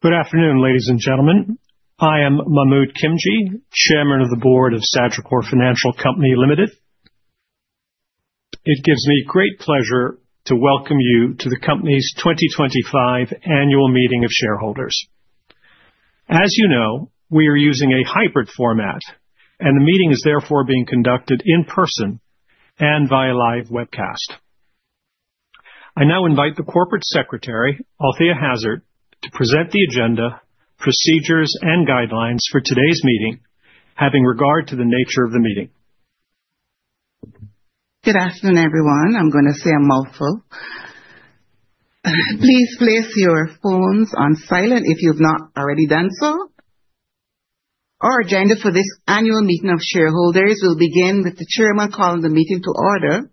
Good afternoon, ladies and gentlemen. I am Mahmood Khimji, Chairman of the Board of Sagicor Financial Company Limited. It gives me great pleasure to welcome you to the company's 2025 annual meeting of shareholders. As you know, we are using a hybrid format, and the meeting is therefore being conducted in person and via live webcast. I now invite the Corporate Secretary, Althea Hazzard, to present the agenda, procedures, and guidelines for today's meeting, having regard to the nature of the meeting. Good afternoon, everyone. I'm going to say I'm awful. Please place your phones on silent if you've not already done so. Our agenda for this annual meeting of shareholders will begin with the Chairman calling the meeting to order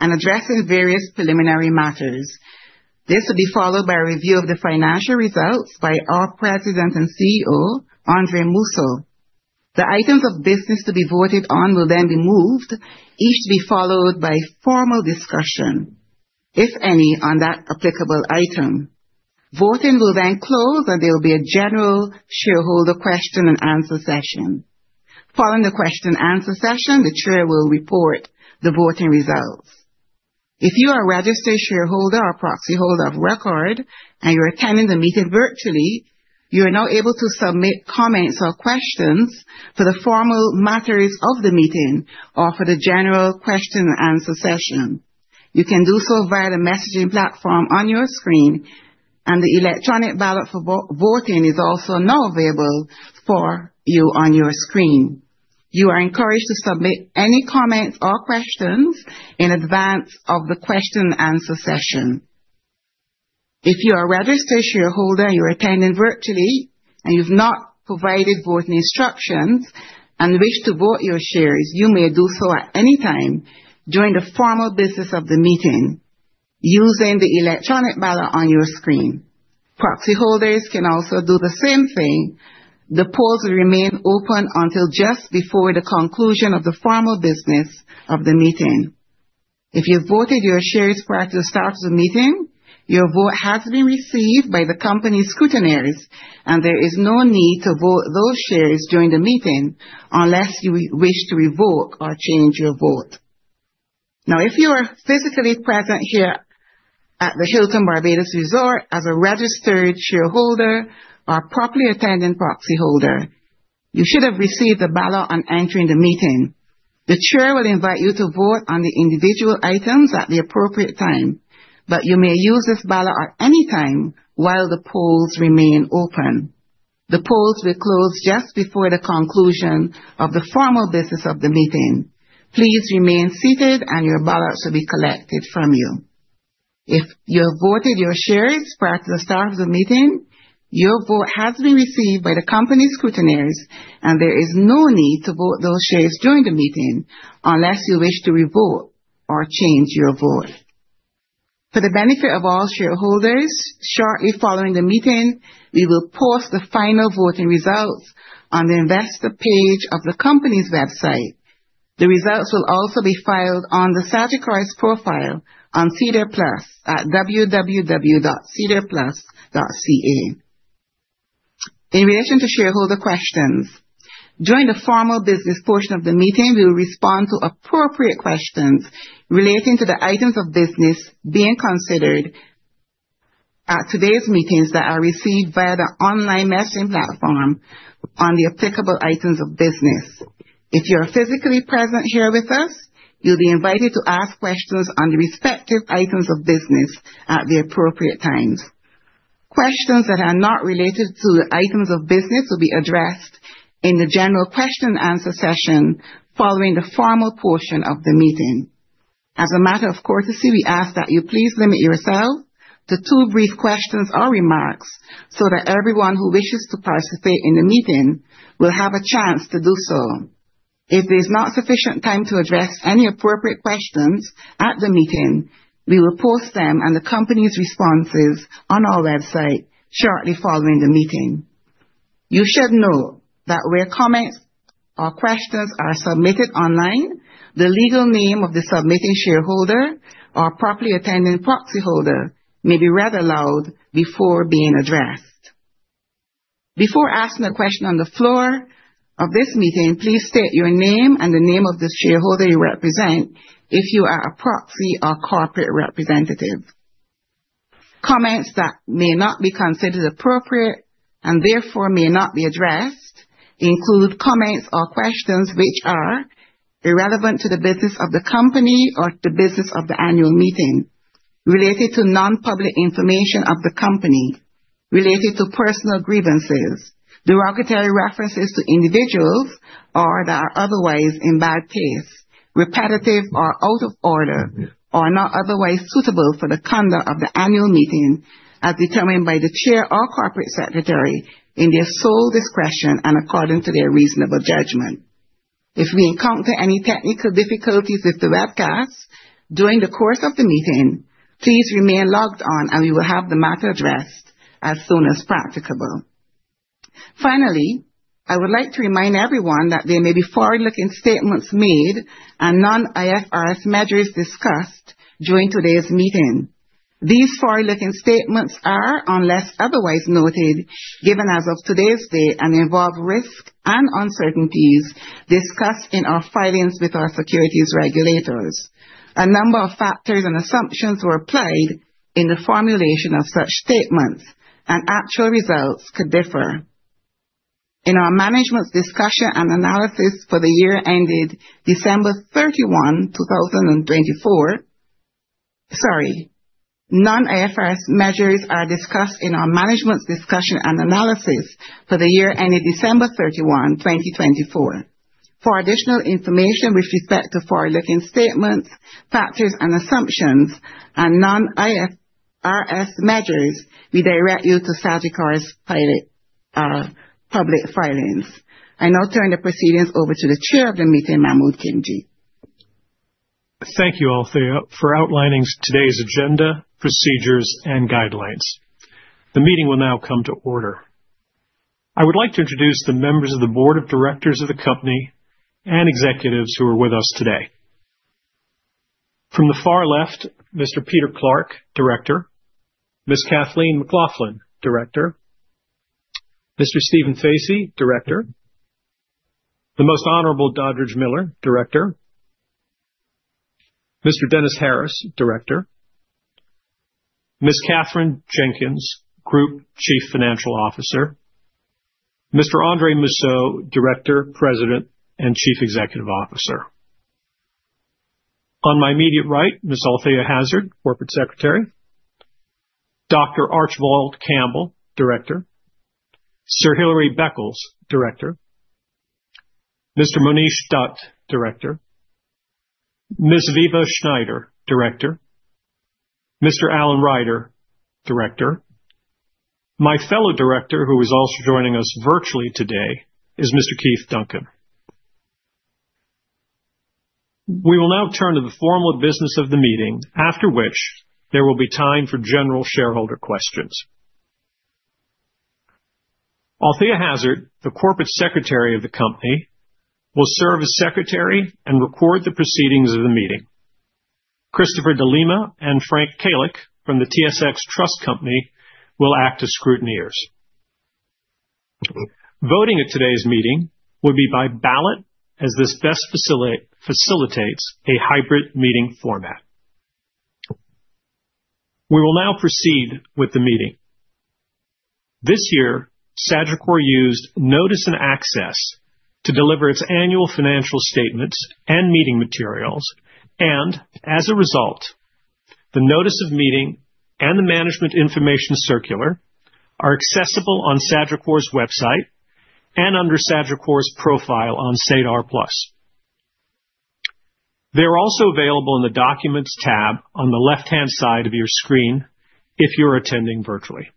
and addressing various preliminary matters. This will be followed by a review of the financial results by our President and CEO, Andre Mousseau. The items of business to be voted on will then be moved, each to be followed by formal discussion, if any, on that applicable item. Voting will then close, and there will be a general shareholder question-and-answer session. Following the question-and-answer session, the Chair will report the voting results. If you are a registered shareholder or proxy holder of record and you're attending the meeting virtually, you are now able to submit comments or questions for the formal matters of the meeting or for the general question-and-answer session. You can do so via the messaging platform on your screen, and the electronic ballot for voting is also now available for you on your screen. You are encouraged to submit any comments or questions in advance of the question-and-answer session. If you are a registered shareholder and you're attending virtually and you've not provided voting instructions and wish to vote your shares, you may do so at any time during the formal business of the meeting using the electronic ballot on your screen. Proxy holders can also do the same thing. The polls will remain open until just before the conclusion of the formal business of the meeting. If you've voted your shares prior to the start of the meeting, your vote has been received by the company's scrutineers, and there is no need to vote those shares during the meeting unless you wish to revoke or change your vote. Now, if you are physically present here at the Hilton Barbados Resort as a registered shareholder or a properly attending proxy holder, you should have received the ballot on entering the meeting. The Chair will invite you to vote on the individual items at the appropriate time, but you may use this ballot at any time while the polls remain open. The polls will close just before the conclusion of the formal business of the meeting. Please remain seated, and your ballot should be collected from you. If you have voted your shares prior to the start of the meeting, your vote has been received by the company's scrutineers, and there is no need to vote those shares during the meeting unless you wish to revoke or change your vote. For the benefit of all shareholders, shortly following the meeting, we will post the final voting results on the investor page of the company's website. The results will also be filed on the Sagicor Financial Company Limited's profile on SEDAR+ at www.sedarplus.ca. In relation to shareholder questions, during the formal business portion of the meeting, we will respond to appropriate questions relating to the items of business being considered at today's meeting that are received via the online messaging platform on the applicable items of business. If you are physically present here with us, you'll be invited to ask questions on the respective items of business at the appropriate times. Questions that are not related to the items of business will be addressed in the general question-and-answer session following the formal portion of the meeting. As a matter of courtesy, we ask that you please limit yourself to two brief questions or remarks so that everyone who wishes to participate in the meeting will have a chance to do so. If there's not sufficient time to address any appropriate questions at the meeting, we will post them and the company's responses on our website shortly following the meeting. You should know that where comments or questions are submitted online, the legal name of the submitting shareholder or properly attending proxy holder may be read aloud before being addressed. Before asking a question on the floor of this meeting, please state your name and the name of the shareholder you represent if you are a proxy or corporate representative. Comments that may not be considered appropriate and therefore may not be addressed include comments or questions which are irrelevant to the business of the company or to the business of the annual meeting, related to non-public information of the company, related to personal grievances, derogatory references to individuals that are otherwise in bad taste, repetitive or out of order, or not otherwise suitable for the conduct of the annual meeting as determined by the Chair or Corporate Secretary in their sole discretion and according to their reasonable judgment. If we encounter any technical difficulties with the webcast during the course of the meeting, please remain logged on, and we will have the matter addressed as soon as practicable. Finally, I would like to remind everyone that there may be forward-looking statements made and non-IFRS measures discussed during today's meeting. These forward-looking statements are, unless otherwise noted, given as of today's date and involve risks and uncertainties discussed in our filings with our securities regulators. A number of factors and assumptions were applied in the formulation of such statements, and actual results could differ. In our management's discussion and analysis for the year ended December 31, 2024, sorry, non-IFRS measures are discussed in our management's discussion and analysis for the year ended December 31, 2024. For additional information with respect to forward-looking statements, factors, and assumptions, and non-IFRS measures, we direct you to Sagicor's public filings. I now turn the proceedings over to the Chair of the meeting, Mahmood Khimji. Thank you all for outlining today's agenda, procedures, and guidelines. The meeting will now come to order. I would like to introduce the members of the Board of Directors of the company and executives who are with us today. From the far left, Mr. Peter Clark, Director, Ms. Cathleen McLaughlin, Director, Mr. Stephen Facey, Director, the Most Honorable Dodridge Miller, Director, Mr. Dennis Harris, Director, Ms. Kathryn Jenkins, Group Chief Financial Officer, Mr. Andre Mousseau, Director, President, and Chief Executive Officer. On my immediate right, Ms. Althea Hazzard, Corporate Secretary, Dr. Archibald Campbell, Director, Sir Hilary Beckles, Director, Mr. Monish Dutt, Director, Ms. Aviva Schneider, Director, Mr. Alan Ryder, Director. My fellow director who is also joining us virtually today is Mr. Keith Duncan. We will now turn to the formal business of the meeting, after which there will be time for general shareholder questions. Althea Hazzard, the Corporate Secretary of the company, will serve as Secretary and record the proceedings of the meeting. Christopher de Lima and Frank Kailik from the TSX Trust Company will act as scrutineers. Voting at today's meeting will be by ballot as this best facilitates a hybrid meeting format. We will now proceed with the meeting. This year, Sagicor used Notice and Access to deliver its annual financial statements and meeting materials, and as a result, the Notice of Meeting and the Management Information Circular are accessible on Sagicor's website and under Sagicor's profile on SEDAR+. They're also available in the Documents tab on the left-hand side of your screen if you're attending virtually.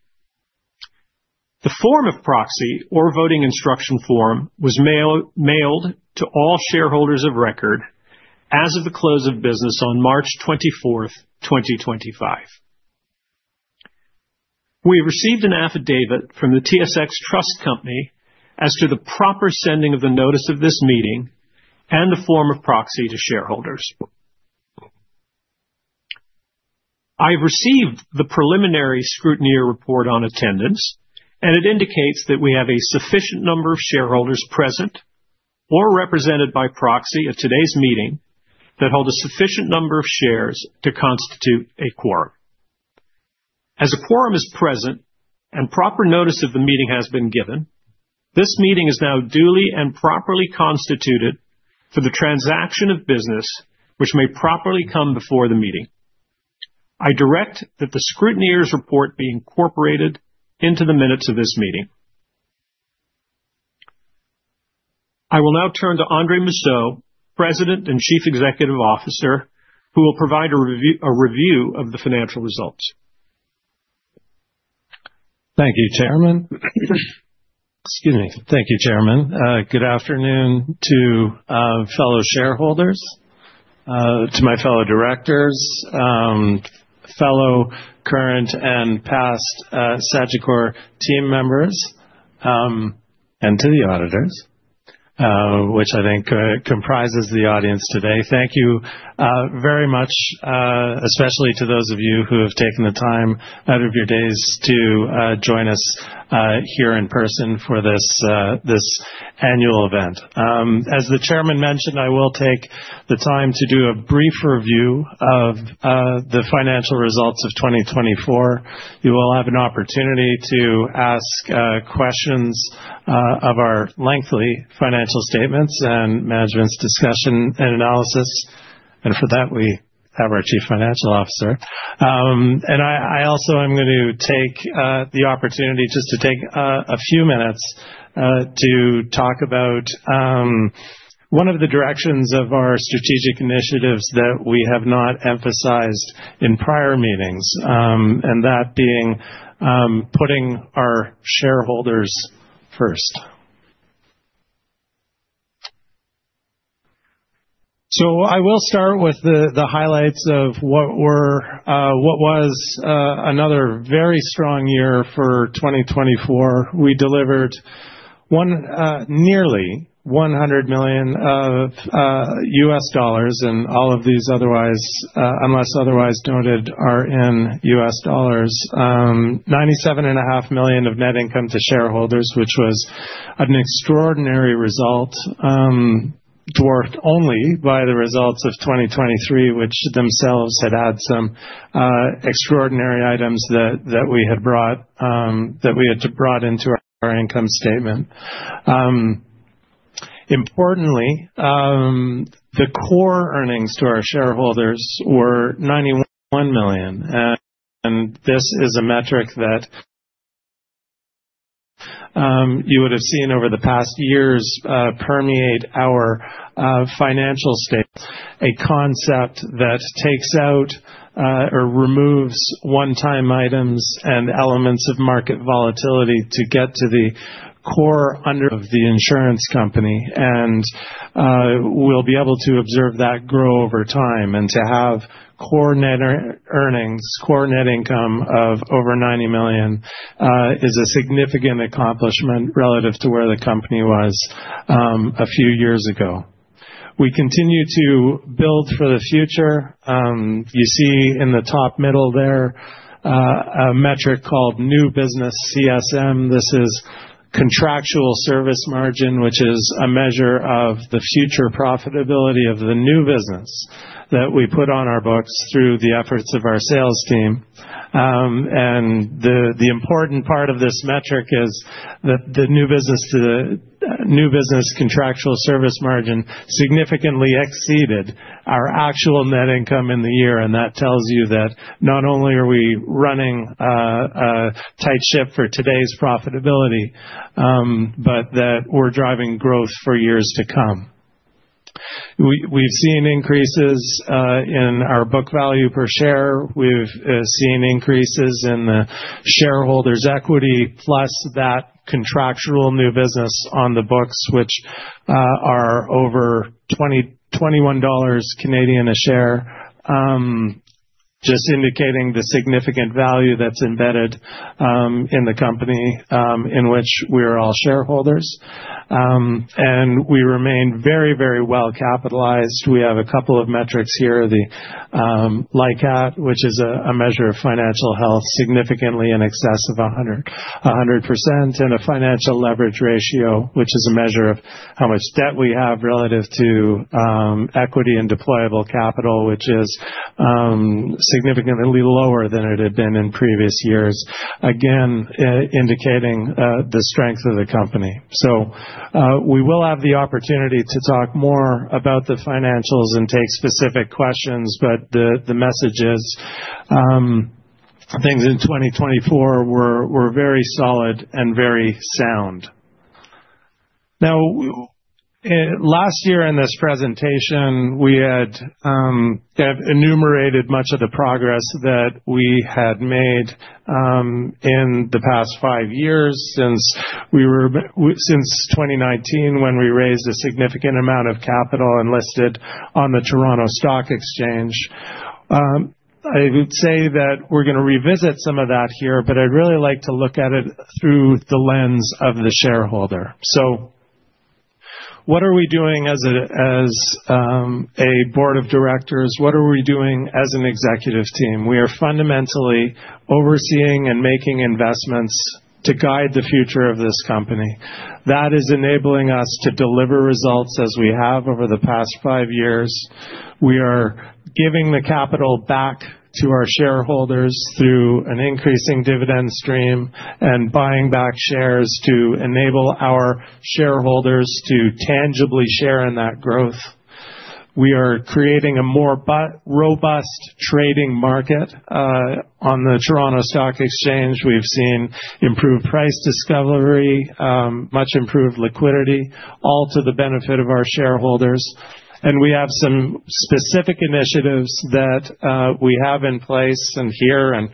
The form of proxy or voting instruction form was mailed to all shareholders of record as of the close of business on March 24th, 2025. We have received an affidavit from the TSX Trust Company as to the proper sending of the Notice of this meeting and the form of proxy to shareholders. I have received the preliminary scrutineer report on attendance, and it indicates that we have a sufficient number of shareholders present or represented by proxy at today's meeting that hold a sufficient number of shares to constitute a quorum. As a quorum is present and proper notice of the meeting has been given, this meeting is now duly and properly constituted for the transaction of business, which may properly come before the meeting. I direct that the scrutineer's report be incorporated into the minutes of this meeting. I will now turn to Andre Mousseau, President and Chief Executive Officer, who will provide a review of the financial results. Thank you, Chairman. Excuse me. Thank you, Chairman. Good afternoon to fellow shareholders, to my fellow directors, fellow current and past Sagicor team members, and to the auditors, which I think comprises the audience today. Thank you very much, especially to those of you who have taken the time out of your days to join us here in person for this annual event. As the Chairman mentioned, I will take the time to do a brief review of the financial results of 2024. You will have an opportunity to ask questions of our lengthy financial statements and management's discussion and analysis. For that, we have our Chief Financial Officer. I also am going to take the opportunity just to take a few minutes to talk about one of the directions of our strategic initiatives that we have not emphasized in prior meetings, that being putting our shareholders first. I will start with the highlights of what was another very strong year for 2024. We delivered nearly $100 million, and all of these unless otherwise noted are in U.S. dollars. $97.5 million of net income to shareholders, which was an extraordinary result, dwarfed only by the results of 2023, which themselves had had some extraordinary items that we had brought into our income statement. Importantly, the core earnings to our shareholders were $91 million. This is a metric that you would have seen over the past years permeate our financial statement, a concept that takes out or removes one-time items and elements of market volatility to get to the core under the insurance company. We will be able to observe that grow over time. To have core net earnings, core net income of over $90 million is a significant accomplishment relative to where the company was a few years ago. We continue to build for the future. You see in the top middle there a metric called new business CSM. This is contractual service margin, which is a measure of the future profitability of the new business that we put on our books through the efforts of our sales team. The important part of this metric is that the new business contractual service margin significantly exceeded our actual net income in the year. That tells you that not only are we running a tight ship for today's profitability, but that we are driving growth for years to come. We have seen increases in our book value per share. We have seen increases in the shareholders' equity, plus that contractual new business on the books, which are over 21 dollars a share, just indicating the significant value that is embedded in the company in which we are all shareholders. We remain very, very well capitalized. We have a couple of metrics here. The LICAT, which is a measure of financial health, significantly in excess of 100%, and a financial leverage ratio, which is a measure of how much debt we have relative to equity and deployable capital, which is significantly lower than it had been in previous years, again, indicating the strength of the company. We will have the opportunity to talk more about the financials and take specific questions, but the message is things in 2024 were very solid and very sound. Last year in this presentation, we had enumerated much of the progress that we had made in the past five years since 2019 when we raised a significant amount of capital and listed on the Toronto Stock Exchange. I would say that we're going to revisit some of that here, but I'd really like to look at it through the lens of the shareholder. What are we doing as a Board of Directors? What are we doing as an executive team? We are fundamentally overseeing and making investments to guide the future of this company. That is enabling us to deliver results as we have over the past five years. We are giving the capital back to our shareholders through an increasing dividend stream and buying back shares to enable our shareholders to tangibly share in that growth. We are creating a more robust trading market on the Toronto Stock Exchange. We've seen improved price discovery, much improved liquidity, all to the benefit of our shareholders. We have some specific initiatives that we have in place here, and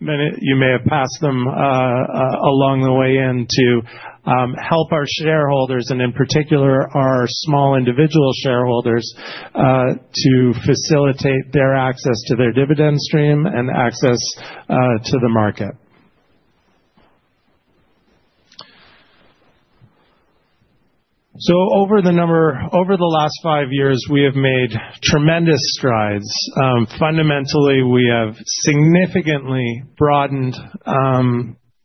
many of you may have passed them along the way in to help our shareholders and in particular our small individual shareholders to facilitate their access to their dividend stream and access to the market. Over the last five years, we have made tremendous strides. Fundamentally, we have significantly broadened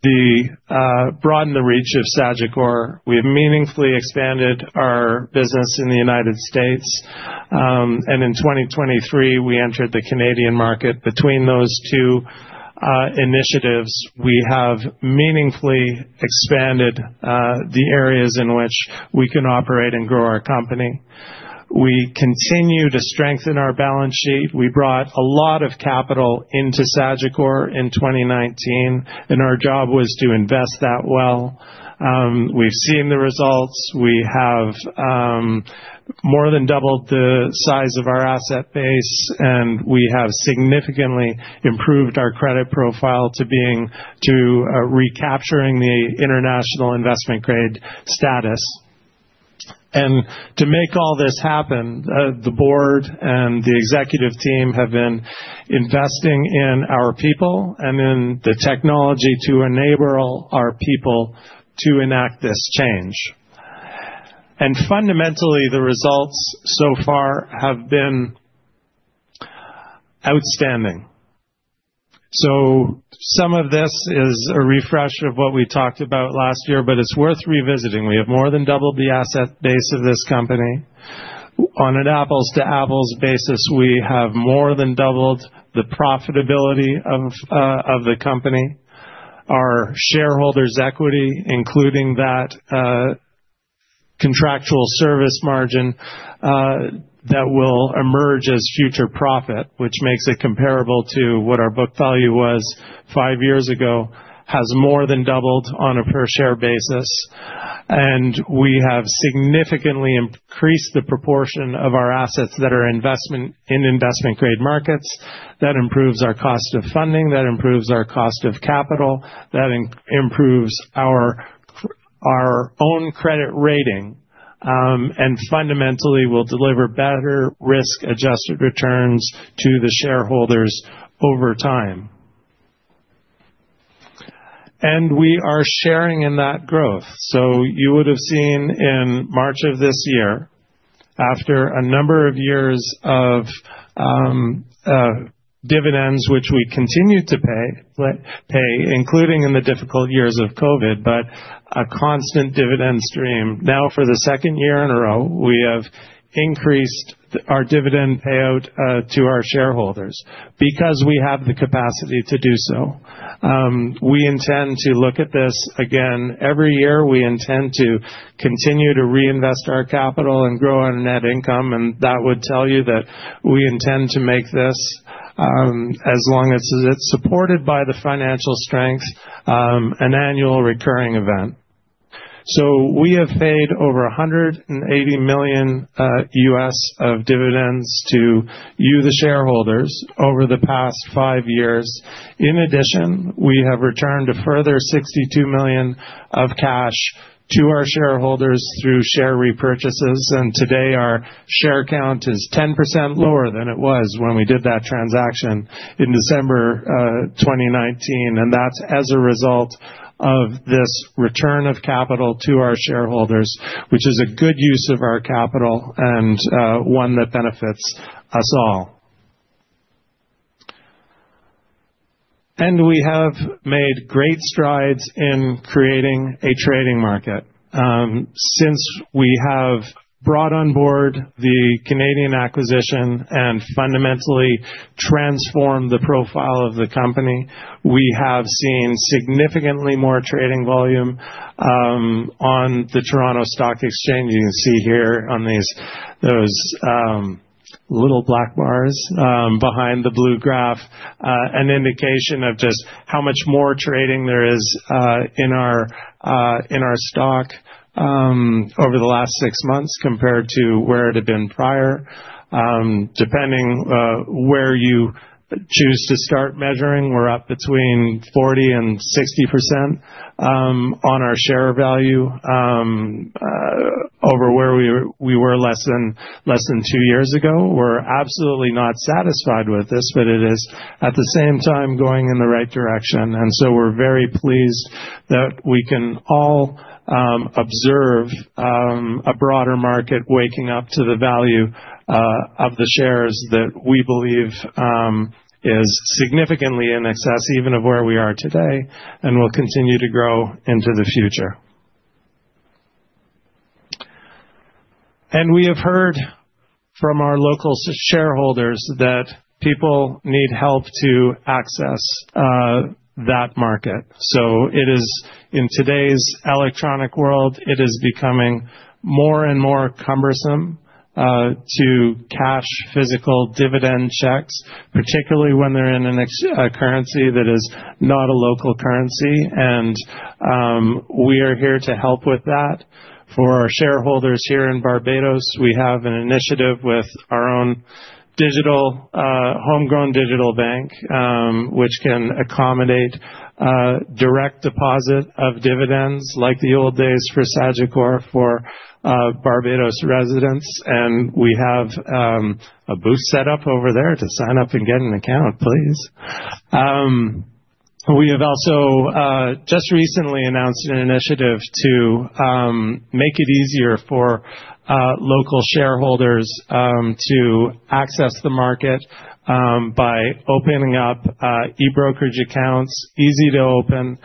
the reach of Sagicor. We have meaningfully expanded our business in the United States. In 2023, we entered the Canadian market. Between those two initiatives, we have meaningfully expanded the areas in which we can operate and grow our company. We continue to strengthen our balance sheet. We brought a lot of capital into Sagicor in 2019, and our job was to invest that well. We've seen the results. We have more than doubled the size of our asset base, and we have significantly improved our credit profile to recapturing the international investment grade status. To make all this happen, the board and the executive team have been investing in our people and in the technology to enable our people to enact this change. Fundamentally, the results so far have been outstanding. Some of this is a refresh of what we talked about last year, but it's worth revisiting. We have more than doubled the asset base of this company. On an apples-to-apples basis, we have more than doubled the profitability of the company. Our shareholders' equity, including that contractual service margin that will emerge as future profit, which makes it comparable to what our book value was five years ago, has more than doubled on a per-share basis. We have significantly increased the proportion of our assets that are in investment-grade markets. That improves our cost of funding. That improves our cost of capital. That improves our own credit rating. Fundamentally, we will deliver better risk-adjusted returns to the shareholders over time. We are sharing in that growth. You would have seen in March of this year, after a number of years of dividends, which we continue to pay, including in the difficult years of COVID, but a constant dividend stream. Now, for the second year in a row, we have increased our dividend payout to our shareholders because we have the capacity to do so. We intend to look at this again every year. We intend to continue to reinvest our capital and grow our net income. That would tell you that we intend to make this, as long as it is supported by the financial strength, an annual recurring event. We have paid over $180 million of dividends to you, the shareholders, over the past five years. In addition, we have returned a further $62 million of cash to our shareholders through share repurchases. Today, our share count is 10% lower than it was when we did that transaction in December 2019. That is as a result of this return of capital to our shareholders, which is a good use of our capital and one that benefits us all. We have made great strides in creating a trading market. Since we have brought on board the Canadian acquisition and fundamentally transformed the profile of the company, we have seen significantly more trading volume on the Toronto Stock Exchange. You can see here on those little black bars behind the blue graph, an indication of just how much more trading there is in our stock over the last six months compared to where it had been prior. Depending where you choose to start measuring, we're up between 40% and 60% on our share value over where we were less than two years ago. We're absolutely not satisfied with this, but it is, at the same time, going in the right direction. We are very pleased that we can all observe a broader market waking up to the value of the shares that we believe is significantly in excess even of where we are today and will continue to grow into the future. We have heard from our local shareholders that people need help to access that market. In today's electronic world, it is becoming more and more cumbersome to cash physical dividend checks, particularly when they're in a currency that is not a local currency. We are here to help with that. For our shareholders here in Barbados, we have an initiative with our own homegrown digital bank, which can accommodate direct deposit of dividends like the old days for Sagicor for Barbados residents. We have a booth set up over there to sign up and get an account, please. We have also just recently announced an initiative to make it easier for local shareholders to access the market by opening up e-brokerage accounts, easy to open.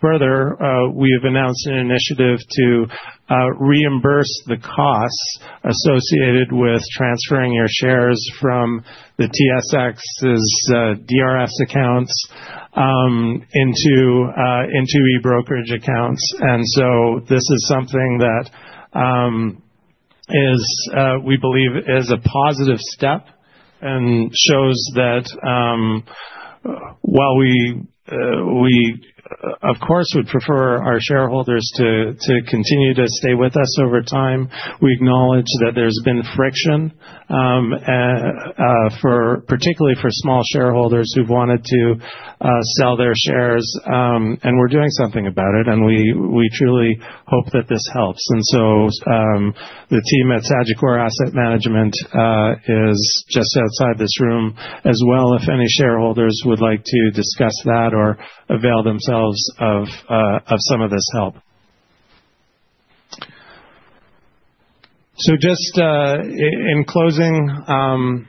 Further, we have announced an initiative to reimburse the costs associated with transferring your shares from the TSX's DRS accounts into e-brokerage accounts. This is something that we believe is a positive step and shows that while we, of course, would prefer our shareholders to continue to stay with us over time, we acknowledge that there's been friction, particularly for small shareholders who've wanted to sell their shares. We are doing something about it. We truly hope that this helps. The team at Sagicor Asset Management is just outside this room as well, if any shareholders would like to discuss that or avail themselves of some of this help. In closing,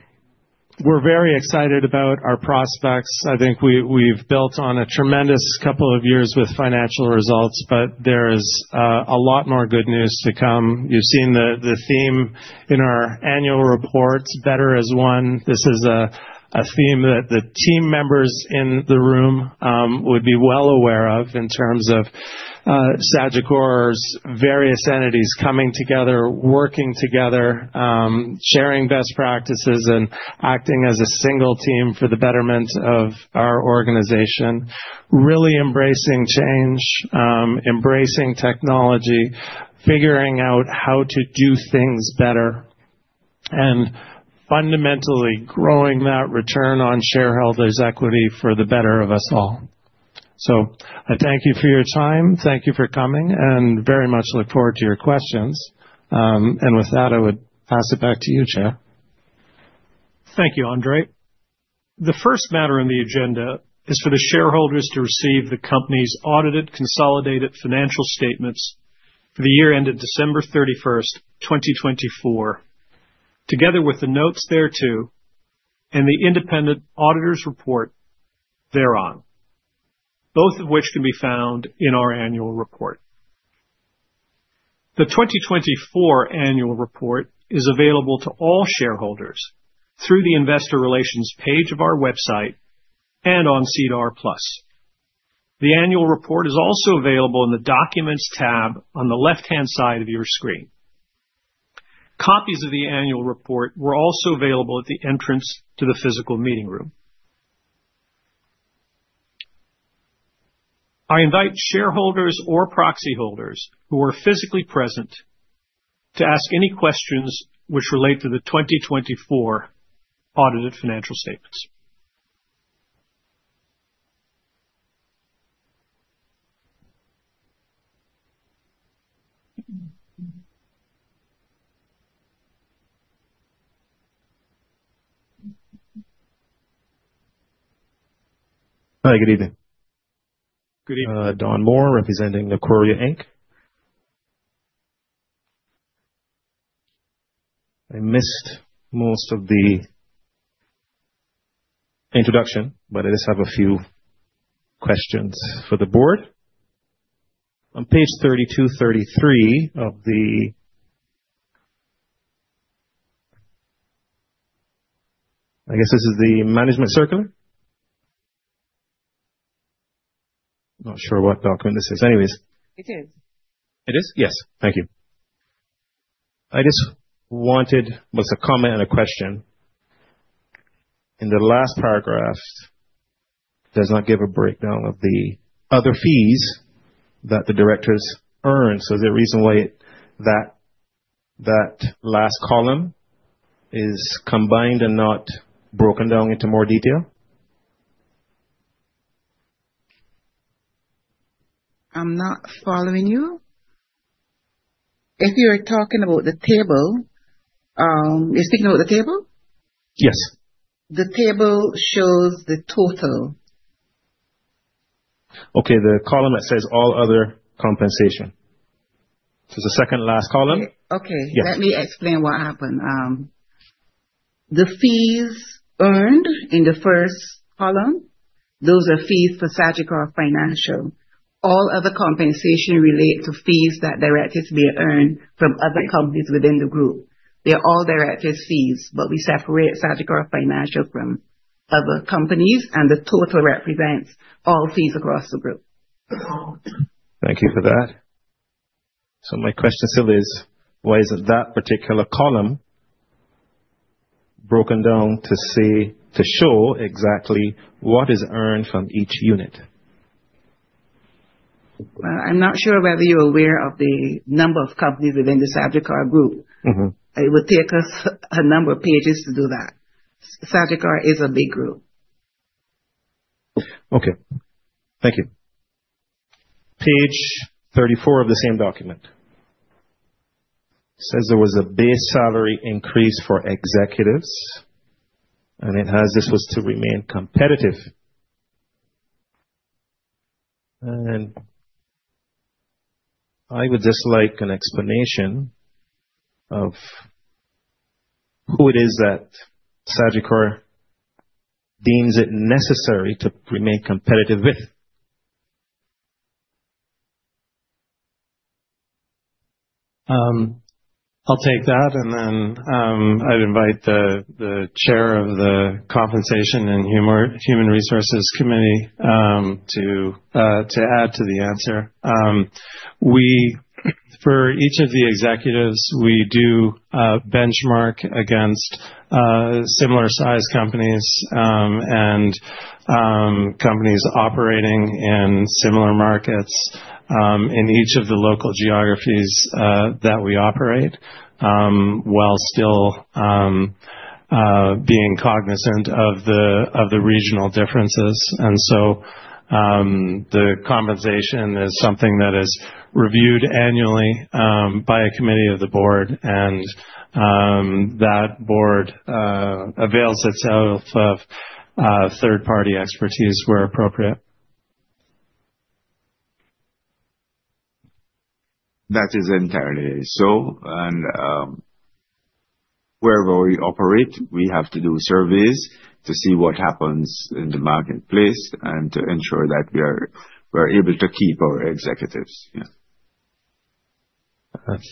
we're very excited about our prospects. I think we've built on a tremendous couple of years with financial results, but there is a lot more good news to come. You've seen the theme in our annual reports, better as one. This is a theme that the team members in the room would be well aware of in terms of Sagicor's various entities coming together, working together, sharing best practices, and acting as a single team for the betterment of our organization, really embracing change, embracing technology, figuring out how to do things better, and fundamentally growing that return on shareholders' equity for the better of us all. I thank you for your time. Thank you for coming, and very much look forward to your questions. With that, I would pass it back to you, Chair. Thank you, Andre. The first matter on the agenda is for the shareholders to receive the company's audited, consolidated financial statements for the year ended December 31st, 2024, together with the notes thereto, and the independent auditor's report thereon, both of which can be found in our annual report. The 2024 annual report is available to all shareholders through the investor relations page of our website and on SEDAR+. The annual report is also available in the documents tab on the left-hand side of your screen. Copies of the annual report were also available at the entrance to the physical meeting room. I invite shareholders or proxy holders who are physically present to ask any questions which relate to the 2024 audited financial statements. Hi. Good evening. Good evening. Don Moore, representing Aquaria Inc. I missed most of the introduction, but I just have a few questions for the board. On page 32, 33 of the, I guess this is the management circular. Not sure what document this is. Anyways. It is. It is? Yes. Thank you. I just wanted, well, it's a comment and a question. In the last paragraph, it does not give a breakdown of the other fees that the directors earned. Is there a reason why that last column is combined and not broken down into more detail? I'm not following you. If you're talking about the table, you're speaking about the table? Yes. The table shows the total. Okay. The column that says all other compensation. It's the second last column. Okay. Let me explain what happened. The fees earned in the first column, those are fees for Sagicor Financial. All other compensation relates to fees that directors may earn from other companies within the group. They're all directors' fees, but we separate Sagicor Financial from other companies, and the total represents all fees across the group. Thank you for that. My question still is, why isn't that particular column broken down to show exactly what is earned from each unit? I'm not sure whether you're aware of the number of companies within the Sagicor Group. It would take us a number of pages to do that. Sagicor is a big group. Okay. Thank you. Page 34 of the same document says there was a base salary increase for executives, and it has this was to remain competitive. I would just like an explanation of who it is that Sagicor deems it necessary to remain competitive with. I'll take that, and then I'd invite the Chair of the Compensation and Human Resources Committee to add to the answer. For each of the executives, we do benchmark against similar-sized companies and companies operating in similar markets in each of the local geographies that we operate while still being cognizant of the regional differences. The compensation is something that is reviewed annually by a committee of the board, and that board avails itself of third-party expertise where appropriate. That is entirely so. Wherever we operate, we have to do surveys to see what happens in the marketplace and to ensure that we are able to keep our executives.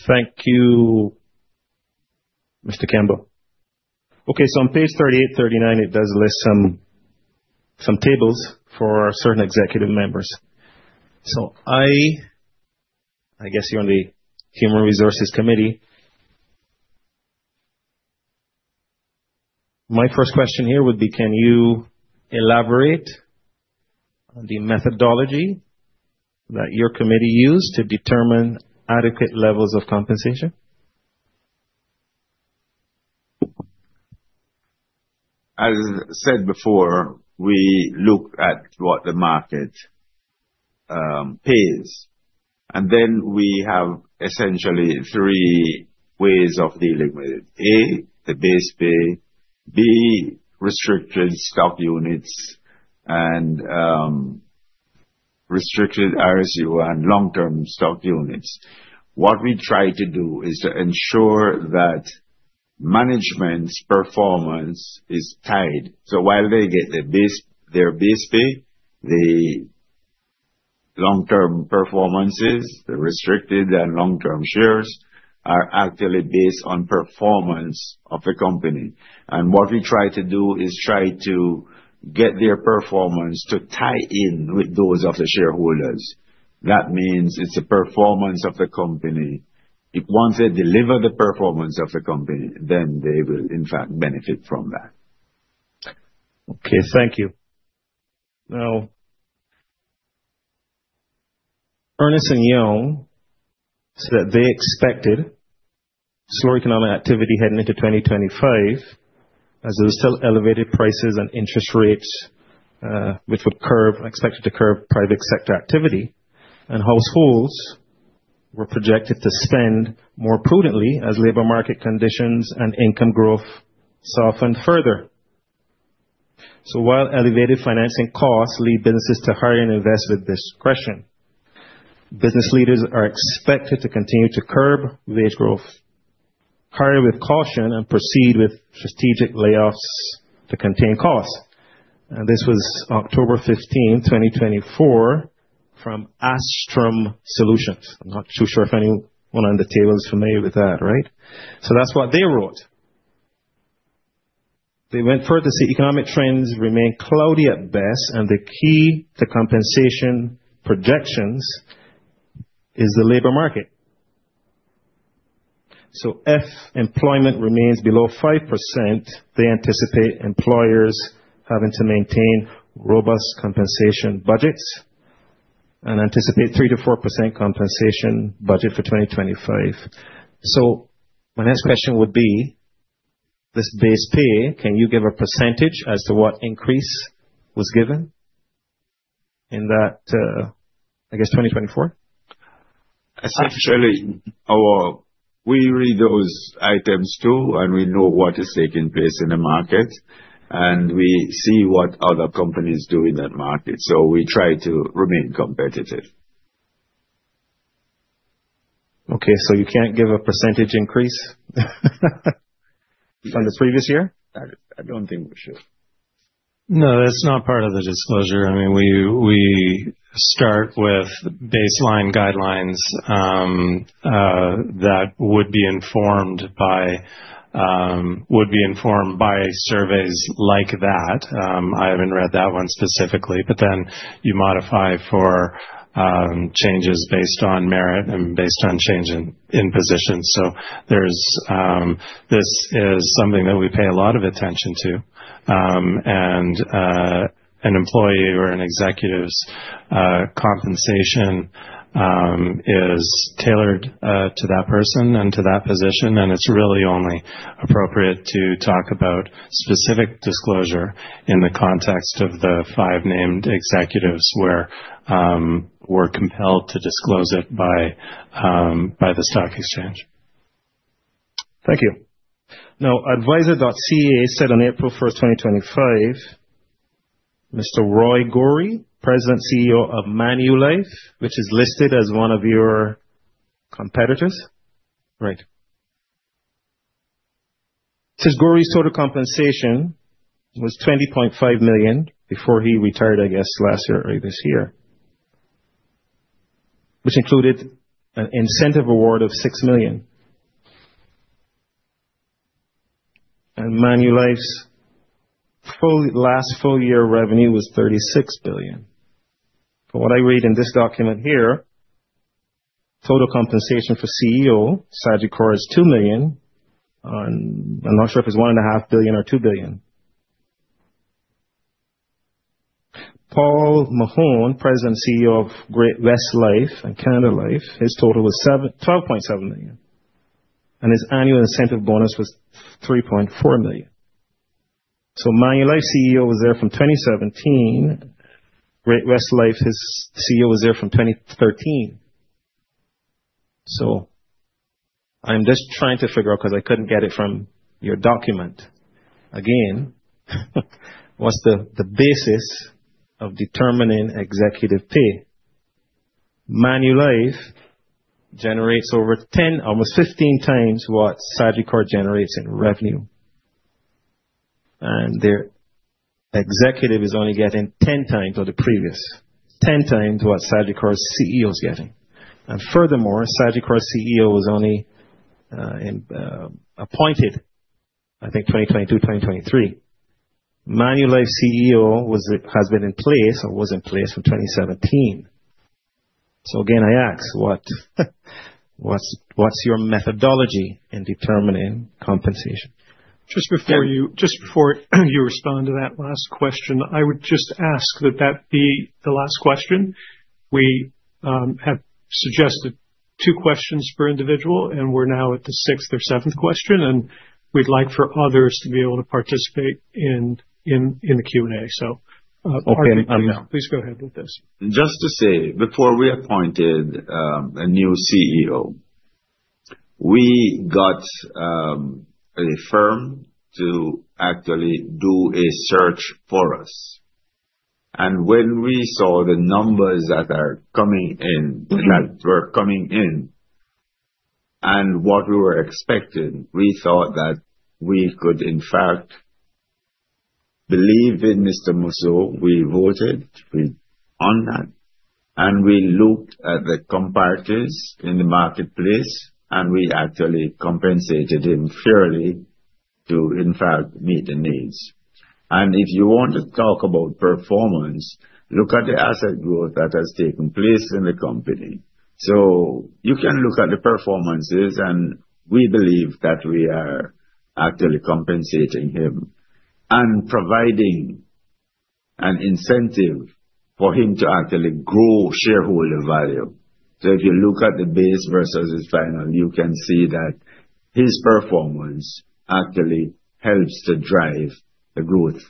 Thank you, Mr. Campbell. Okay. On page 38, 39, it does list some tables for certain executive members. I guess you are on the human resources committee. My first question here would be, can you elaborate on the methodology that your committee used to determine adequate levels of compensation? As said before, we look at what the market pays. And then we have essentially three ways of dealing with it. A, the base pay; B, restricted stock units; and restricted RSU and long-term stock units. What we try to do is to ensure that management's performance is tied. So while they get their base pay, the long-term performances, the restricted and long-term shares, are actually based on performance of the company. And what we try to do is try to get their performance to tie in with those of the shareholders. That means it's a performance of the company. Once they deliver the performance of the company, then they will, in fact, benefit from that. Okay. Thank you. Now, Ernst & Young said they expected slow economic activity heading into 2025 as there were still elevated prices and interest rates, which were expected to curb private sector activity. Households were projected to spend more prudently as labor market conditions and income growth softened further. While elevated financing costs lead businesses to hurry and invest with discretion, business leaders are expected to continue to curb wage growth, hurry with caution, and proceed with strategic layoffs to contain costs. This was October 15, 2024, from Astrum Solutions. I'm not too sure if anyone on the table is familiar with that, right? That's what they wrote. They went further to say economic trends remain cloudy at best, and the key to compensation projections is the labor market. If employment remains below 5%, they anticipate employers having to maintain robust compensation budgets and anticipate 3%-4% compensation budget for 2025. My next question would be, this base pay, can you give a percentage as to what increase was given in that, I guess, 2024? Essentially, we read those items too, and we know what is taking place in the market, and we see what other companies do in that market. We try to remain competitive. Okay. You can't give a % increase from the previous year? I don't think we should. No, that's not part of the disclosure. I mean, we start with baseline guidelines that would be informed by surveys like that. I haven't read that one specifically, but then you modify for changes based on merit and based on change in position. This is something that we pay a lot of attention to. An employee or an executive's compensation is tailored to that person and to that position, and it's really only appropriate to talk about specific disclosure in the context of the five named executives where we're compelled to disclose it by the stock exchange. Thank you. Now, advisor.ca said on April 1st, 2025, Mr. Roy Gori, President CEO of Manulife, which is listed as one of your competitors. Right. It says Gori's total compensation was $20.5 million before he retired, I guess, last year or this year, which included an incentive award of $6 million. And Manulife's last full year revenue was $36 billion. From what I read in this document here, total compensation for CEO Sagicor is $2 million. I'm not sure if it's $1.5 billion or $2 billion. Paul Mahon, President CEO of Great-West Lifeco and Canada Life, his total was $12.7 million, and his annual incentive bonus was $3.4 million. Manulife CEO was there from 2017. Great-West Lifeco CEO was there from 2013. I'm just trying to figure out because I couldn't get it from your document. Again, what's the basis of determining executive pay? Manulife generates over 10, almost 15x what Sagicor generates in revenue. And their executive is only getting 10x or the previous 10x what Sagicor's CEO is getting. Furthermore, Sagicor's CEO was only appointed, I think, 2022, 2023. Manulife CEO has been in place or was in place from 2017. Again, I ask, what's your methodology in determining compensation? Just before you respond to that last question, I would just ask that that be the last question. We have suggested two questions per individual, and we're now at the sixth or seventh question, and we'd like for others to be able to participate in the Q&A. Please go ahead with this. Just to say, before we appointed a new CEO, we got a firm to actually do a search for us. When we saw the numbers that were coming in, and what we were expecting, we thought that we could, in fact, believe in Mr. Mousseau. We voted on that, and we looked at the comparisons in the marketplace, and we actually compensated him fairly to, in fact, meet the needs. If you want to talk about performance, look at the asset growth that has taken place in the company. You can look at the performances, and we believe that we are actually compensating him and providing an incentive for him to actually grow shareholder value. If you look at the base versus his final, you can see that his performance actually helps to drive the growth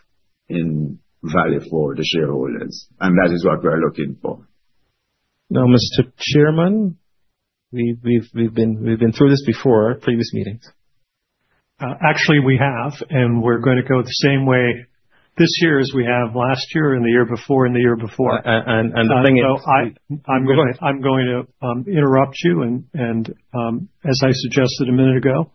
in value for the shareholders. That is what we're looking for. Mr. Chairman, we've been through this before, previous meetings. Actually, we have, and we're going to go the same way this year as we have last year and the year before and the year before. The thing is, I'm going to interrupt you. As I suggested a minute ago,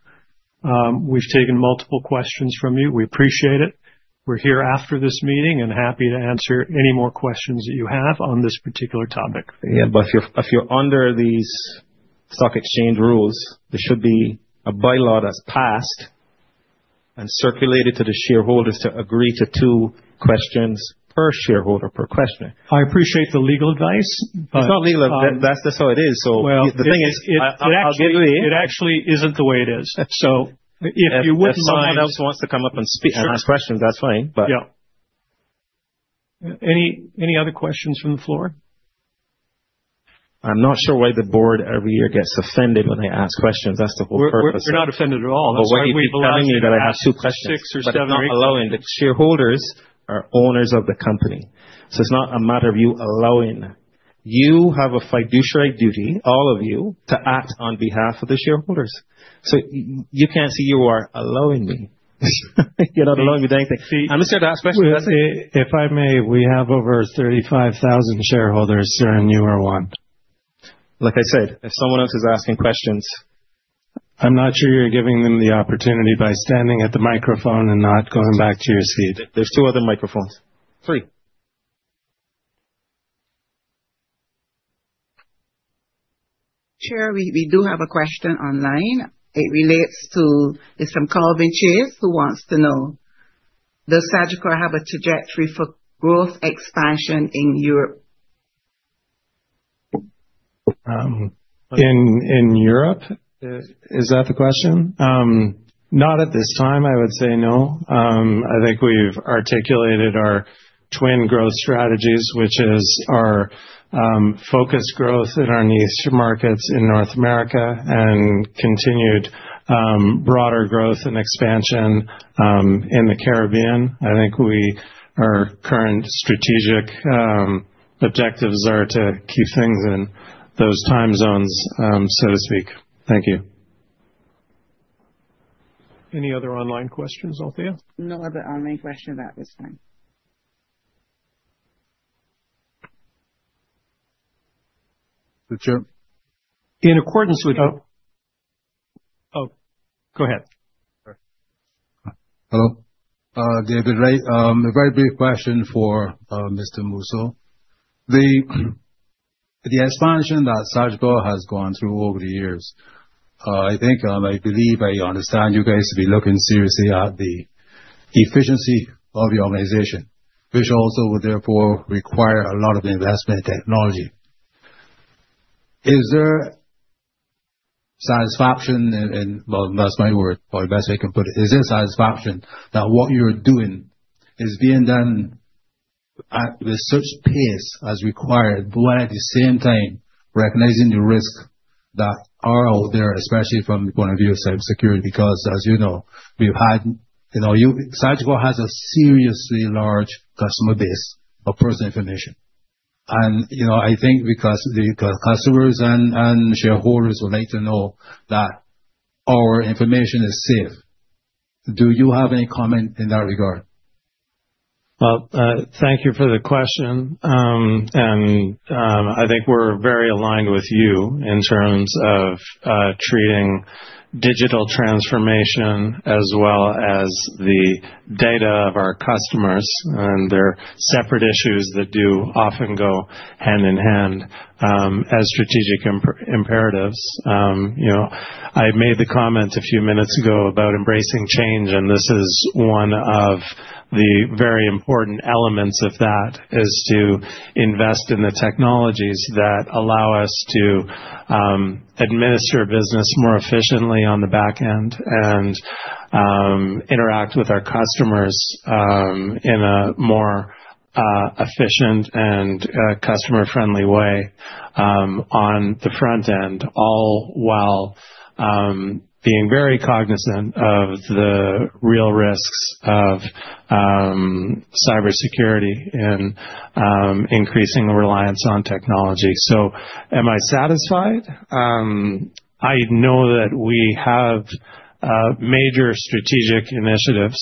we've taken multiple questions from you. We appreciate it. We're here after this meeting and happy to answer any more questions that you have on this particular topic. Yeah. If you're under these stock exchange rules, there should be a bylaw that's passed and circulated to the shareholders to agree to two questions per shareholder per question. I appreciate the legal advice. It's not legal advice. That's just how it is. The thing is, it actually isn't the way it is. If you wouldn't mind, if someone else wants to come up and ask questions, that's fine. Yeah. Any other questions from the floor? I'm not sure why the board every year gets offended when I ask questions. That's the whole purpose. We're not offended at all. Why are you telling me that I have two questions? Six or seven, allowing the shareholders are owners of the company. It's not a matter of you allowing. You have a fiduciary duty, all of you, to act on behalf of the shareholders. You can't say you are allowing me. You're not allowing me to do anything. I'm just here to ask questions. If I may, we have over 35,000 shareholders here in Newer One. Like I said, if someone else is asking questions, I'm not sure you're giving them the opportunity by standing at the microphone and not going back to your seat. There are two other microphones. Three. Chair, we do have a question online. It relates to Mr. Calvin Chase who wants to know, does Sagicor have a trajectory for growth expansion in Europe? In Europe, is that the question? Not at this time, I would say no. I think we've articulated our twin growth strategies, which is our focused growth in our niche markets in North America and continued broader growth and expansion in the Caribbean. I think our current strategic objectives are to keep things in those time zones, so to speak. Thank you. Any other online questions, Althea? No other online questions at this time. In accordance with—oh, go ahead. Hello. David, a very brief question for Mr. Mousseau. The expansion that Sagicor has gone through over the years, I think, I believe I understand you guys to be looking seriously at the efficiency of your organization, which also would therefore require a lot of investment in technology. Is there satisfaction—well, that's my word, or the best way I can put it—is there satisfaction that what you're doing is being done at the search pace as required, but at the same time recognizing the risk that are out there, especially from the point of view of cybersecurity? Because, as you know, we've had—Sagicor has a seriously large customer base of personal information. I think because customers and shareholders would like to know that our information is safe, do you have any comment in that regard? Thank you for the question. I think we're very aligned with you in terms of treating digital transformation as well as the data of our customers and their separate issues that do often go hand in hand as strategic imperatives. I made the comment a few minutes ago about embracing change, and this is one of the very important elements of that, is to invest in the technologies that allow us to administer business more efficiently on the back end and interact with our customers in a more efficient and customer-friendly way on the front end, all while being very cognizant of the real risks of cybersecurity and increasing reliance on technology. Am I satisfied? I know that we have major strategic initiatives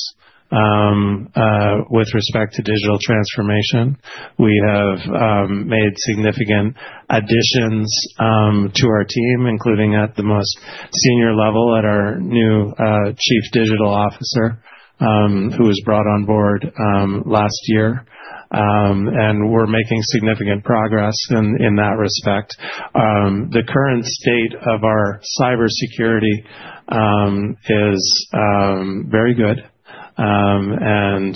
with respect to digital transformation. We have made significant additions to our team, including at the most senior level at our new Chief Digital Officer, who was brought on board last year. We are making significant progress in that respect. The current state of our cybersecurity is very good, and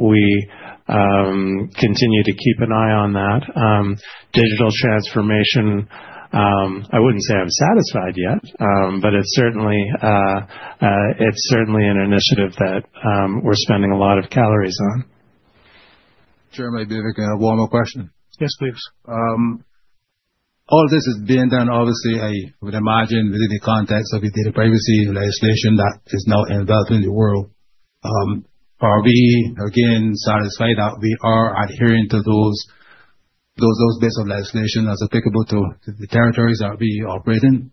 we continue to keep an eye on that. Digital transformation, I would not say I am satisfied yet, but it is certainly an initiative that we are spending a lot of calories on. Chair, maybe we can have one more question. Yes, please. All this is being done, obviously, I would imagine within the context of the data privacy legislation that is now involved in the world. Are we, again, satisfied that we are adhering to those bits of legislation as applicable to the territories that we operate in?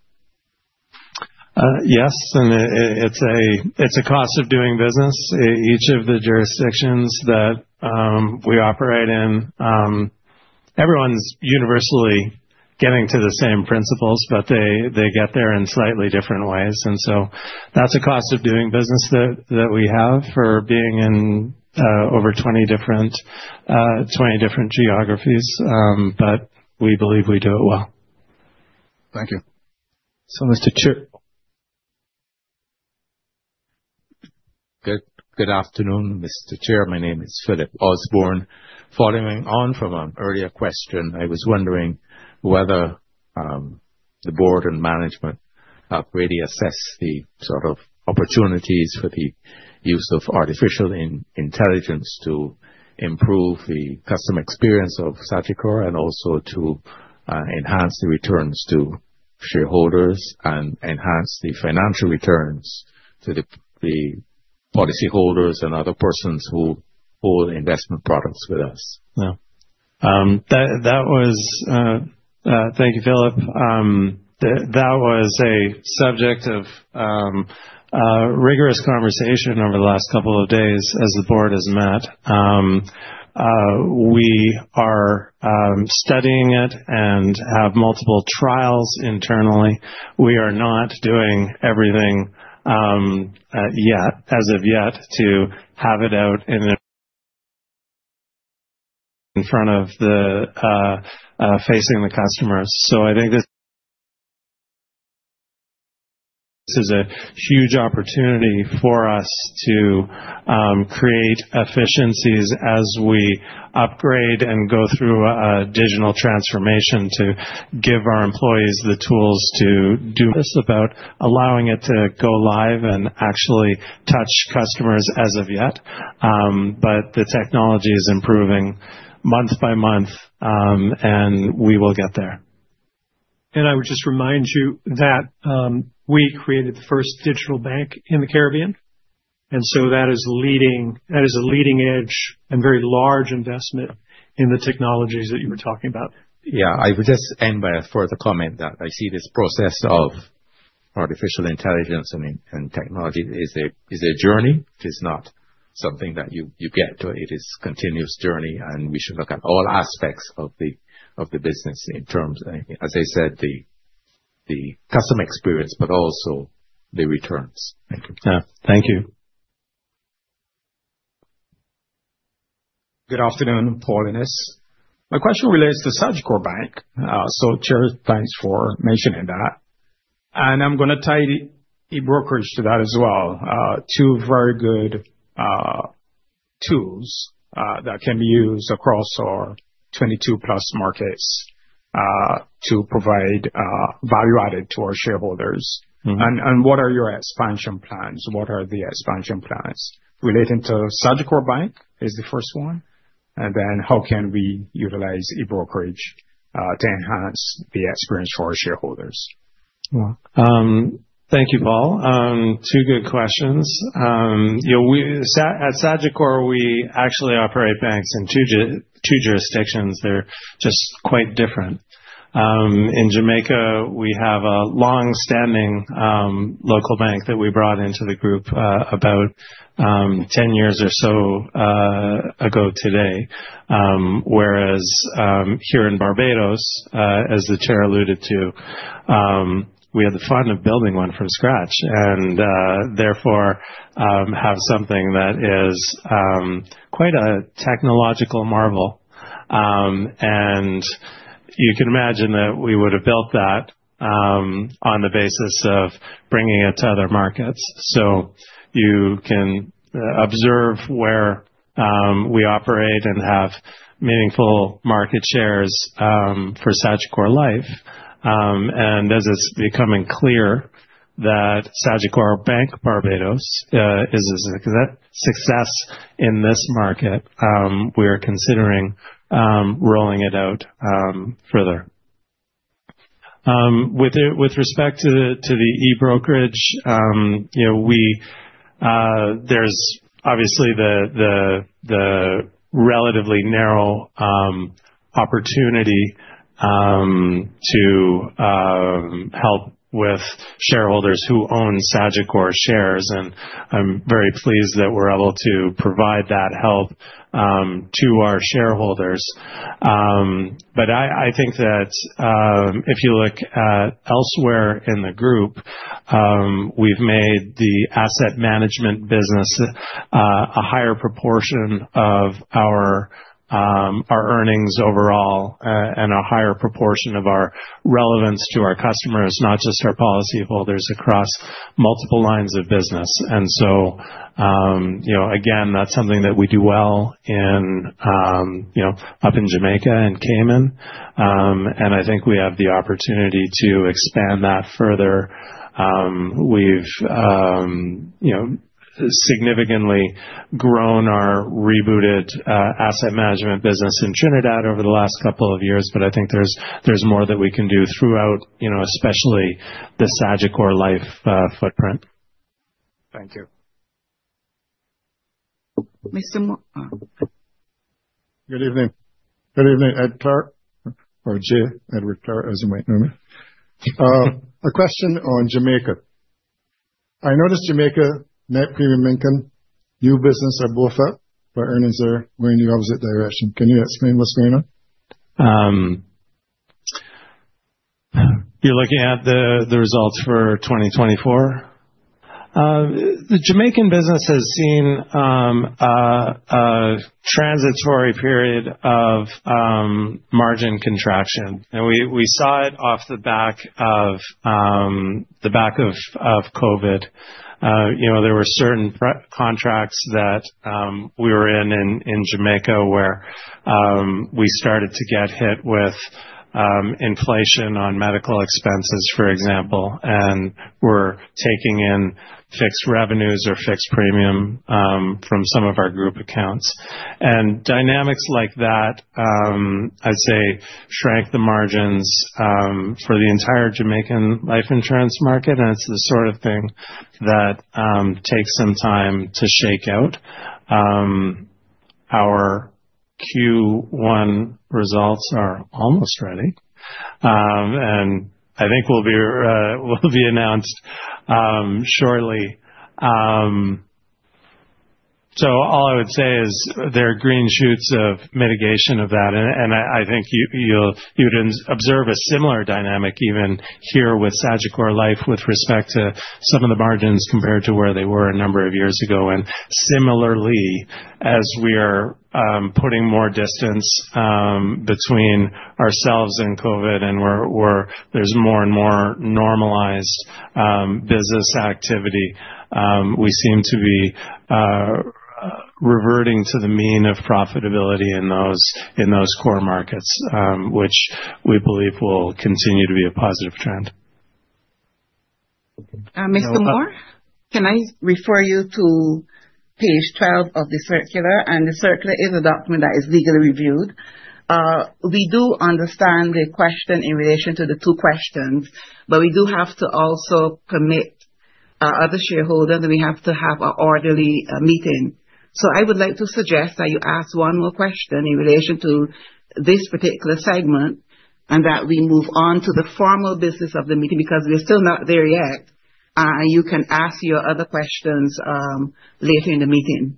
Yes. And it is a cost of doing business. Each of the jurisdictions that we operate in, everyone is universally getting to the same principles, but they get there in slightly different ways. That is a cost of doing business that we have for being in over 20 different geographies, but we believe we do it well. Thank you. Mr. Chair, good afternoon, Mr. Chair. My name is Philip Osborne. Following on from an earlier question, I was wondering whether the board and management have really assessed the sort of opportunities for the use of artificial intelligence to improve the customer experience of Sagicor and also to enhance the returns to shareholders and enhance the financial returns to the policyholders and other persons who hold investment products with us. Yeah. That was—thank you, Philip. That was a subject of rigorous conversation over the last couple of days as the board has met. We are studying it and have multiple trials internally. We are not doing everything yet, as of yet, to have it out in front of the—facing the customers. I think this is a huge opportunity for us to create efficiencies as we upgrade and go through a digital transformation to give our employees the tools to do this about allowing it to go live and actually touch customers as of yet. The technology is improving month by month, and we will get there. I would just remind you that we created the first digital bank in the Caribbean. That is a leading edge and very large investment in the technologies that you were talking about. Yeah. I would just end by a further comment that I see this process of artificial intelligence and technology as a journey. It is not something that you get to. It is a continuous journey, and we should look at all aspects of the business in terms of, as I said, the customer experience, but also the returns. Thank you. Yeah. Thank you. Good afternoon, Paul Innis. My question relates to Sagicor Bank. Chair, thanks for mentioning that. I'm going to tie brokerage to that as well. Two very good tools that can be used across our 22+ markets to provide value added to our shareholders. What are your expansion plans? What are the expansion plans relating to Sagicor Bank is the first one. How can we utilize e-brokerage to enhance the experience for our shareholders? Thank you, Paul. Two good questions. At Sagicor, we actually operate banks in two jurisdictions. They're just quite different. In Jamaica, we have a long-standing local bank that we brought into the group about 10 years or so ago today. Whereas here in Barbados, as the chair alluded to, we had the fun of building one from scratch and therefore have something that is quite a technological marvel. You can imagine that we would have built that on the basis of bringing it to other markets. You can observe where we operate and have meaningful market shares for Sagicor Life. As it is becoming clear that Sagicor Bank Barbados is a success in this market, we are considering rolling it out further. With respect to the e-brokerage, there is obviously the relatively narrow opportunity to help with shareholders who own Sagicor shares. I am very pleased that we are able to provide that help to our shareholders. I think that if you look elsewhere in the group, we've made the asset management business a higher proportion of our earnings overall and a higher proportion of our relevance to our customers, not just our policyholders across multiple lines of business. Again, that's something that we do well up in Jamaica and Cayman. I think we have the opportunity to expand that further. We've significantly grown our rebooted asset management business in Trinidad over the last couple of years, but I think there's more that we can do throughout, especially the Sagicor Life footprint. Thank you. Good evening. Ed Clark or Jay, Edward Clark as you might know me. A question on Jamaica. I noticed Jamaica, Net Premium Income, new business are both up, but earnings are going the opposite direction. Can you explain what's going on? You're looking at the results for 2024? The Jamaican business has seen a transitory period of margin contraction. We saw it off the back of COVID. There were certain contracts that we were in in Jamaica where we started to get hit with inflation on medical expenses, for example, and were taking in fixed revenues or fixed premium from some of our group accounts. Dynamics like that, I'd say, shrank the margins for the entire Jamaican life insurance market. It's the sort of thing that takes some time to shake out. Our Q1 results are almost ready. I think they will be announced shortly. All I would say is there are green shoots of mitigation of that. I think you would observe a similar dynamic even here with Sagicor Life with respect to some of the margins compared to where they were a number of years ago. Similarly, as we are putting more distance between ourselves and COVID and there is more and more normalized business activity, we seem to be reverting to the mean of profitability in those core markets, which we believe will continue to be a positive trend. Mr. Moore, can I refer you to page 12 of the circular? The circular is a document that is legally reviewed. We do understand the question in relation to the two questions, but we do have to also permit other shareholders, and we have to have an orderly meeting. I would like to suggest that you ask one more question in relation to this particular segment and that we move on to the formal business of the meeting because we're still not there yet. You can ask your other questions later in the meeting.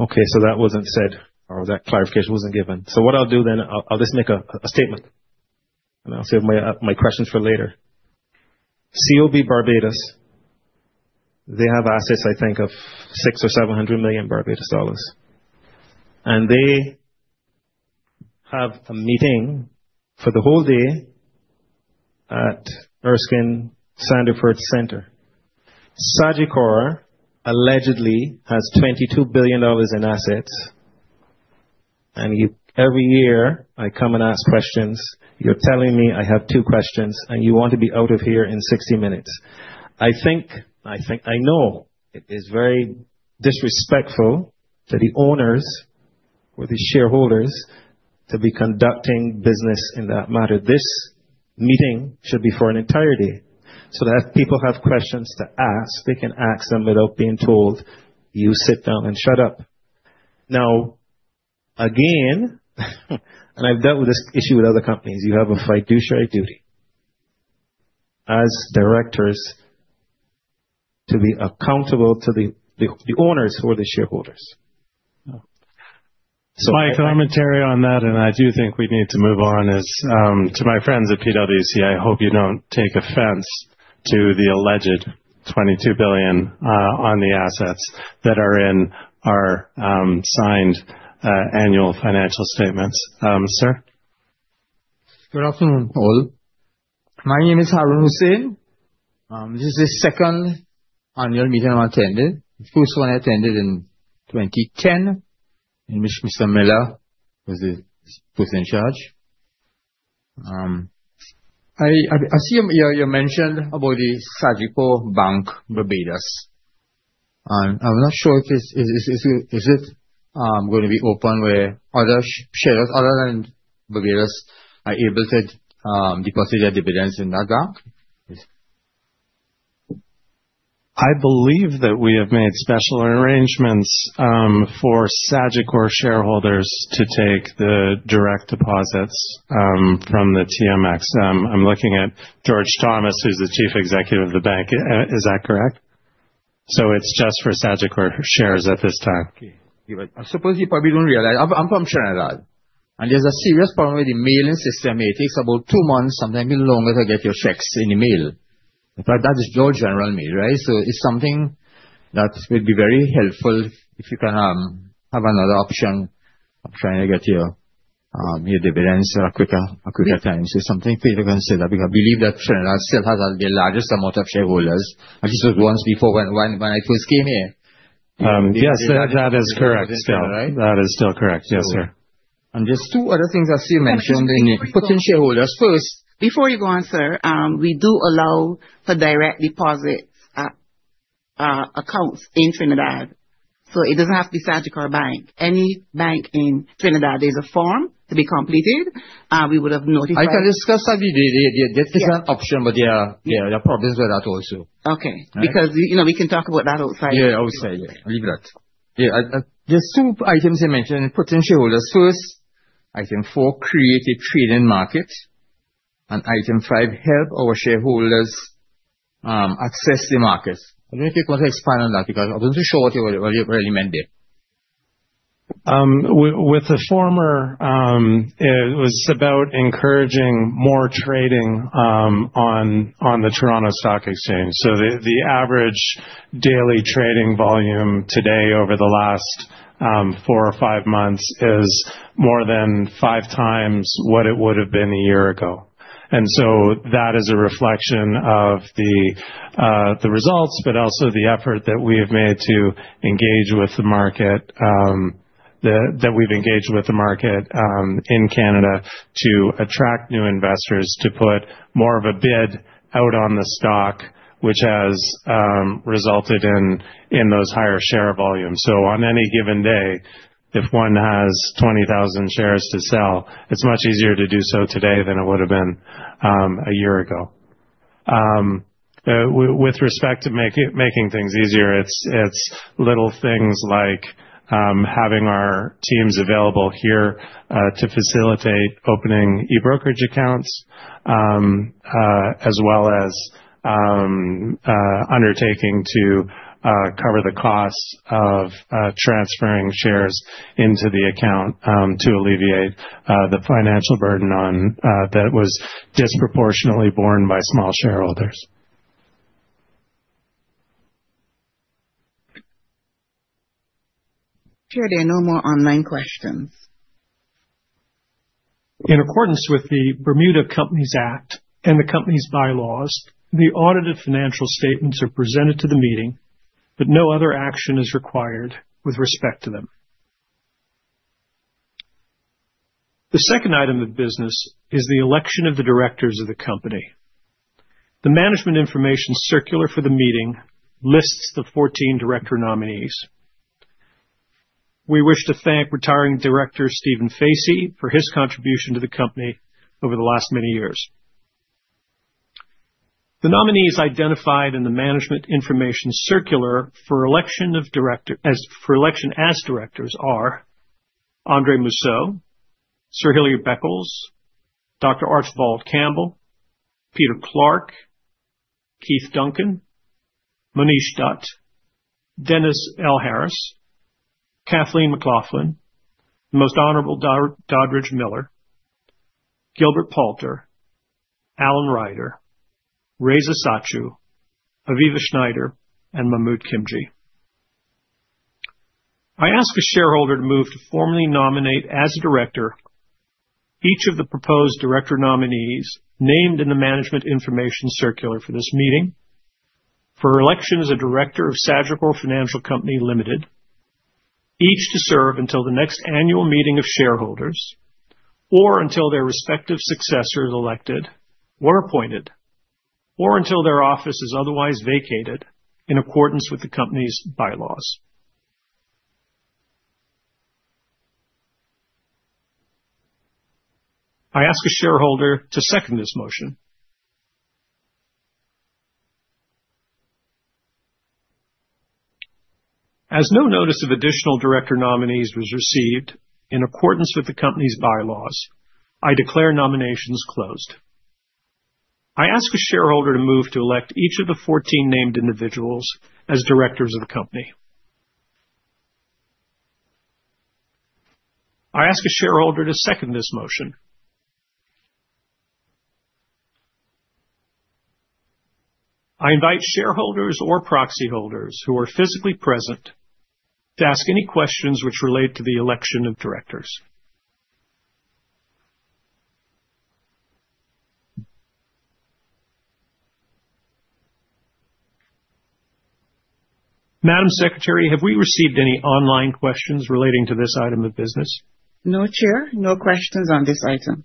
Okay. That wasn't said, or that clarification wasn't given. What I'll do then, I'll just make a statement. I'll save my questions for later. COB Barbados, they have assets, I think, of BBD 600 million or BBD 700 million. They have a meeting for the whole day at Erskine Sandiford Center. Sagicor allegedly has $22 billion in assets. Every year I come and ask questions, you're telling me I have two questions, and you want to be out of here in 60 minutes. I think, I know it is very disrespectful to the owners or the shareholders to be conducting business in that matter. This meeting should be for an entirety. So that if people have questions to ask, they can ask them without being told, "You sit down and shut up." Now, again, and I've dealt with this issue with other companies, you have a fiduciary duty as directors to be accountable to the owners or the shareholders. My commentary on that, and I do think we need to move on, is to my friends at PricewaterhouseCoopers. I hope you don't take offense to the alleged $22 billion on the assets that are in our signed annual financial statements. Sir? Good afternoon, Paul. My name is Harun Hussain. This is the second annual meeting I've attended. The first one I attended in 2010, in which Mr. Miller was the person in charge. I see you mentioned about the Sagicor Bank Barbados. I'm not sure if it is going to be open where other shareholders other than Barbados are able to deposit their dividends in that bank. I believe that we have made special arrangements for Sagicor shareholders to take the direct deposits from the TMX. I'm looking at George Thomas, who's the Chief Executive of the bank. Is that correct? So it's just for Sagicor shares at this time. I suppose you probably don't realize. I'm from Trinidad. And there's a serious problem with the mailing system. It takes about two months, sometimes even longer, to get your checks in the mail. That is your general mail, right? It is something that would be very helpful if you can have another option of trying to get your dividends at a quicker time. It is something for you to consider. Because I believe that Trinidad still has the largest amount of shareholders, at least once before when I first came here. Yes, that is correct still. That is still correct. Yes, sir. There are two other things I see you mentioned in the shareholders. First, before you go on, sir, we do allow for direct deposit accounts in Trinidad. It does not have to be Sagicor Bank. Any bank in Trinidad, there is a form to be completed. We would have notified. I can discuss that with you. That is an option, but there are problems with that also. Okay. We can talk about that outside. Yeah, outside. Leave that. There are two items you mentioned, potential holders. First, item four, create a trading market. Item five, help our shareholders access the market. I don't know if you want to expand on that because I wasn't sure what you really meant there. With the former, it was about encouraging more trading on the Toronto Stock Exchange. The average daily trading volume today over the last four or five months is more than five times what it would have been a year ago. That is a reflection of the results, but also the effort that we have made to engage with the market, that we've engaged with the market in Canada to attract new investors to put more of a bid out on the stock, which has resulted in those higher share volumes. On any given day, if one has 20,000 shares to sell, it's much easier to do so today than it would have been a year ago. With respect to making things easier, it's little things like having our teams available here to facilitate opening e-brokerage accounts, as well as undertaking to cover the cost of transferring shares into the account to alleviate the financial burden that was disproportionately borne by small shareholders. Chair, there are no more online questions. In accordance with the Bermuda Companies Act and the company's bylaws, the audited financial statements are presented to the meeting, but no other action is required with respect to them. The second item of business is the election of the directors of the company. The management information circular for the meeting lists the 14 director nominees. We wish to thank retiring director Stephen Facey for his contribution to the company over the last many years. The nominees identified in the management information circular for election as directors are Andre Mousseau, Sir Hilary Beckles, Dr. Archibald Campbell, Peter Clark, Keith Duncan, Monish Dutt, Dennis Harris, Cathleen McLaughlin, Most Honorable Dodridge Miller, Gilbert Palter, Alan Ryder, Reza Satchu, Aviva Schneider, and Mahmood Khimji. I ask a shareholder to move to formally nominate as a director each of the proposed director nominees named in the Management Information Circular for this meeting for election as a director of Sagicor Financial Company Limited, each to serve until the next annual meeting of shareholders or until their respective successor is elected or appointed or until their office is otherwise vacated in accordance with the company's bylaws. I ask a shareholder to second this motion. As no notice of additional director nominees was received in accordance with the company's bylaws, I declare nominations closed. I ask a shareholder to move to elect each of the 14 named individuals as directors of the company. I ask a shareholder to second this motion. I invite shareholders or proxy holders who are physically present to ask any questions which relate to the election of directors. Madam Secretary, have we received any online questions relating to this item of business? No, Chair. No questions on this item.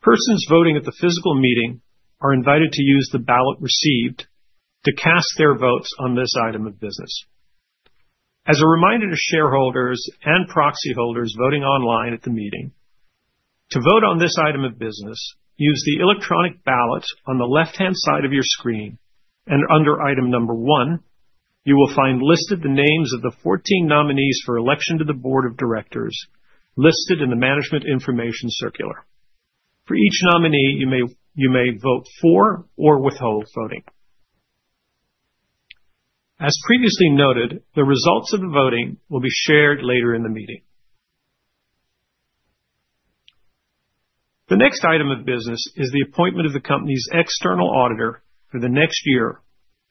Persons voting at the physical meeting are invited to use the ballot received to cast their votes on this item of business. As a reminder to shareholders and proxy holders voting online at the meeting, to vote on this item of business, use the electronic ballot on the left-hand side of your screen. Under item number one, you will find listed the names of the 14 nominees for election to the board of directors listed in the management information circular. For each nominee, you may vote for or withhold voting. As previously noted, the results of the voting will be shared later in the meeting. The next item of business is the appointment of the company's external auditor for the next year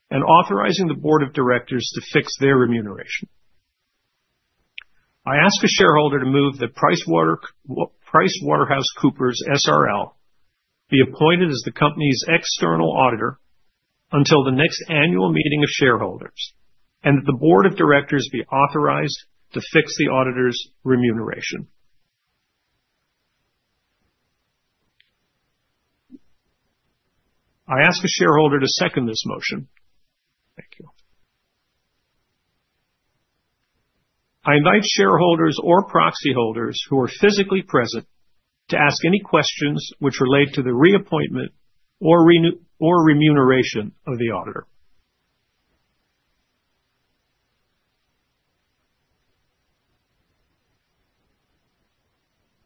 and authorizing the Board of Directors to fix their remuneration. I ask a shareholder to move that PricewaterhouseCoopers SRL be appointed as the company's external auditor until the next annual meeting of shareholders and that the Board of Directors be authorized to fix the auditor's remuneration. I ask a shareholder to second this motion. Thank you. I invite shareholders or proxy holders who are physically present to ask any questions which relate to the reappointment or remuneration of the auditor.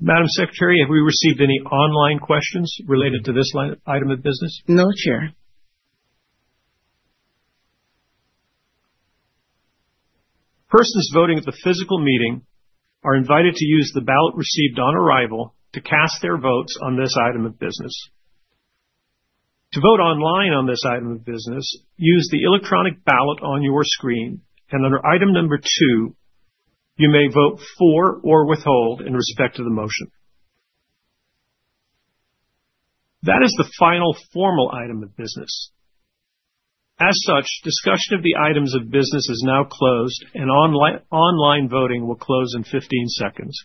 Madam Secretary, have we received any online questions related to this item of business? No, Chair. Persons voting at the physical meeting are invited to use the ballot received on arrival to cast their votes on this item of business. To vote online on this item of business, use the electronic ballot on your screen. Under item number two, you may vote for or withhold in respect of the motion. That is the final formal item of business. As such, discussion of the items of business is now closed, and online voting will close in 15 seconds.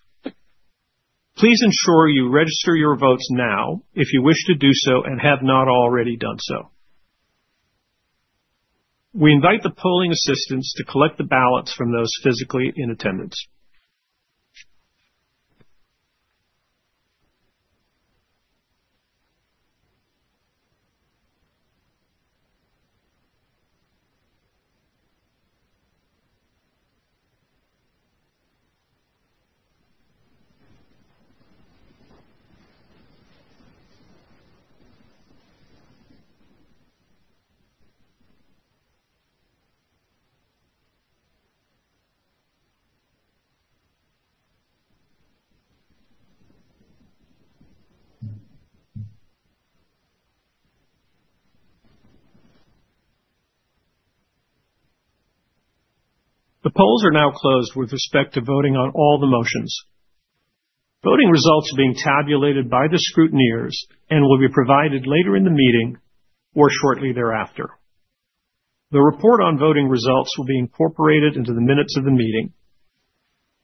Please ensure you register your votes now if you wish to do so and have not already done so. We invite the polling assistants to collect the ballots from those physically in attendance. The polls are now closed with respect to voting on all the motions. Voting results are being tabulated by the scrutineers and will be provided later in the meeting or shortly thereafter. The report on voting results will be incorporated into the minutes of the meeting.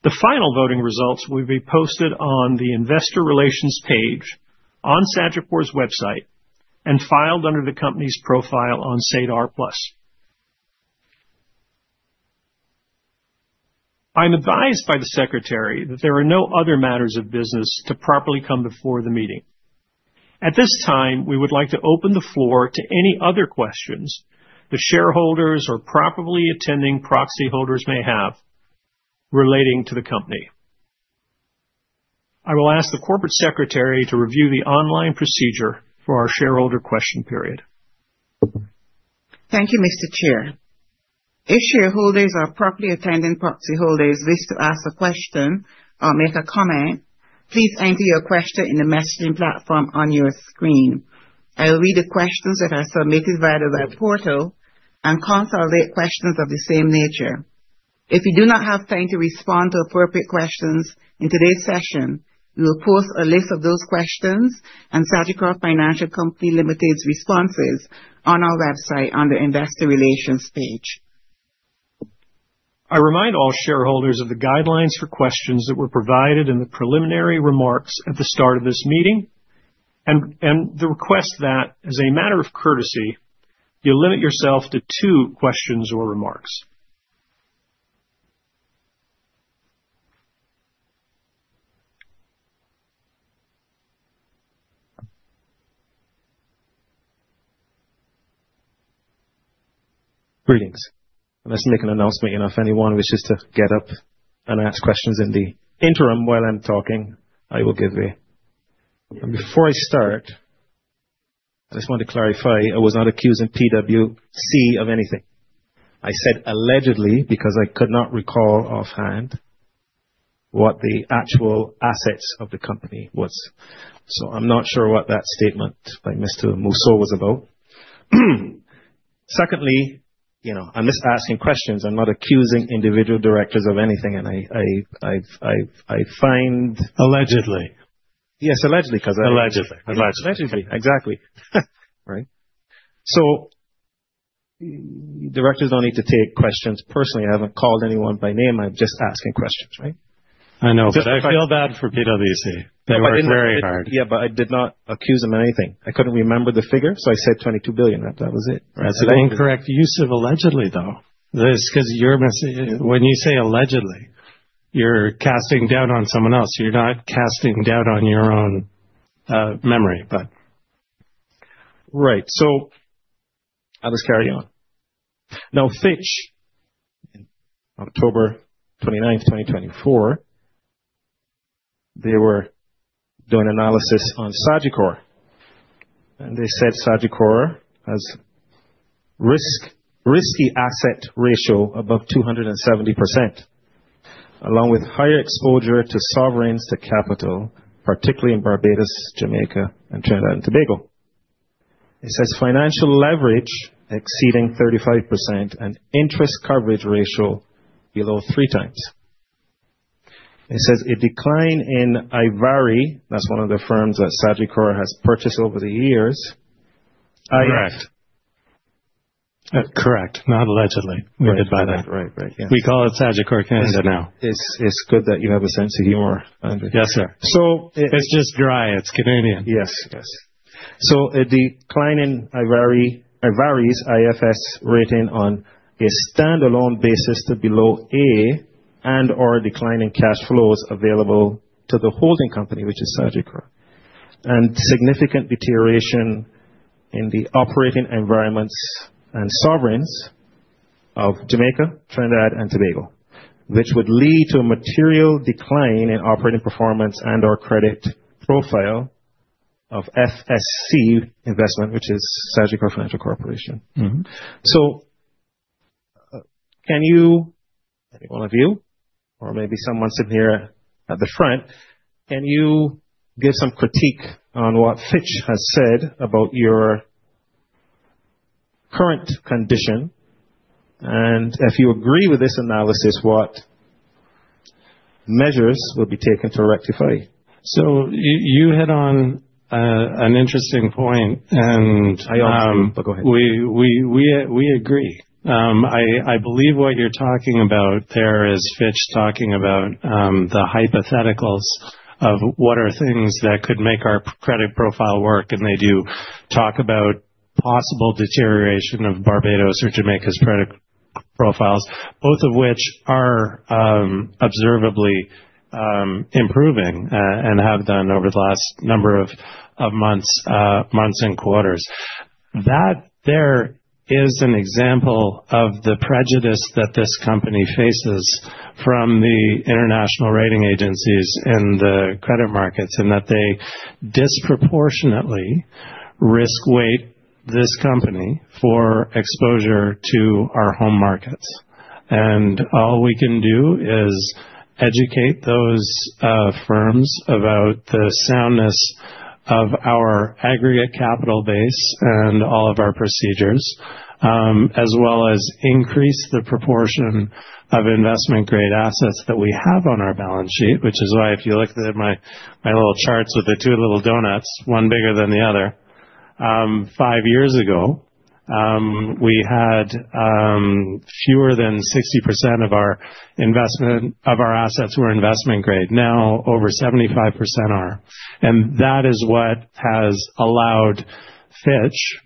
The final voting results will be posted on the investor relations page on Sagicor's website and filed under the company's profile on SEDAR+. I'm advised by the Secretary that there are no other matters of business to properly come before the meeting. At this time, we would like to open the floor to any other questions the shareholders or properly attending proxy holders may have relating to the company. I will ask the Corporate Secretary to review the online procedure for our shareholder question period. Thank you, Mr. Chair. If shareholders or properly attending proxy holders wish to ask a question or make a comment, please enter your question in the messaging platform on your screen. I will read the questions that are submitted via the portal and consolidate questions of the same nature. If you do not have time to respond to appropriate questions in today's session, we will post a list of those questions and Sagicor Financial Company Limited's responses on our website under investor relations page. I remind all shareholders of the guidelines for questions that were provided in the preliminary remarks at the start of this meeting and the request that, as a matter of courtesy, you limit yourself to two questions or remarks. Greetings. Unless I'm making an announcement, if anyone wishes to get up and ask questions in the interim while I'm talking, I will give way. Before I start, I just want to clarify I was not accusing PwC of anything. I said allegedly because I could not recall offhand what the actual assets of the company was. I'm not sure what that statement by Mr. Mousseau was about. Secondly, I'm just asking questions. I'm not accusing individual directors of anything. I find. Allegedly. Yes, allegedly because I. Allegedly. Allegedly. Allegedly. Exactly. Right? Directors don't need to take questions personally. I haven't called anyone by name. I'm just asking questions, right? I know, but I feel bad for PwC. They worked very hard. Yeah, but I did not accuse them of anything. I couldn't remember the figure, so I said $22 billion. That was it. That's an incorrect use of allegedly, though. When you say allegedly, you're casting doubt on someone else. You're not casting doubt on your own memory, but. Right. I'll just carry on. Now, Fitch. October 29, 2024, they were doing analysis on Sagicor. They said Sagicor has risky asset ratio above 270%, along with higher exposure to sovereigns to capital, particularly in Barbados, Jamaica, and Trinidad and Tobago. It says financial leverage exceeding 35% and interest coverage ratio below three times. It says a decline in ivari, that's one of the firms that Sagicor has purchased over the years. Correct. Correct. Not allegedly. We're good by that. Right, right, right. We call it Sagicor Canada now. It's good that you have a sense of humor. Yes, sir. It's just dry. It's Canadian. Yes, yes. So a decline in ivari's IFS rating on a standalone basis to below A and/or declining cash flows available to the holding company, which is Sagicor. Significant deterioration in the operating environments and sovereigns of Jamaica, Trinidad, and Tobago, which would lead to a material decline in operating performance and/or credit profile of Sagicor Financial Corporation. Can you, any one of you, or maybe someone sitting here at the front, give some critique on what Fitch has said about your current condition? If you agree with this analysis, what measures will be taken to rectify? You hit on an interesting point. I also, but go ahead. We agree. I believe what you are talking about there is Fitch talking about the hypotheticals of what are things that could make our credit profile work. They do talk about possible deterioration of Barbados or Jamaica's credit profiles, both of which are observably improving and have done over the last number of months and quarters. That is an example of the prejudice that this company faces from the international rating agencies in the credit markets and that they disproportionately risk weight this company for exposure to our home markets. All we can do is educate those firms about the soundness of our aggregate capital base and all of our procedures, as well as increase the proportion of investment-grade assets that we have on our balance sheet, which is why if you look at my little charts with the two little donuts, one bigger than the other, five years ago, we had fewer than 60% of our assets were investment-grade. Now, over 75% are. That is what has allowed Fitch,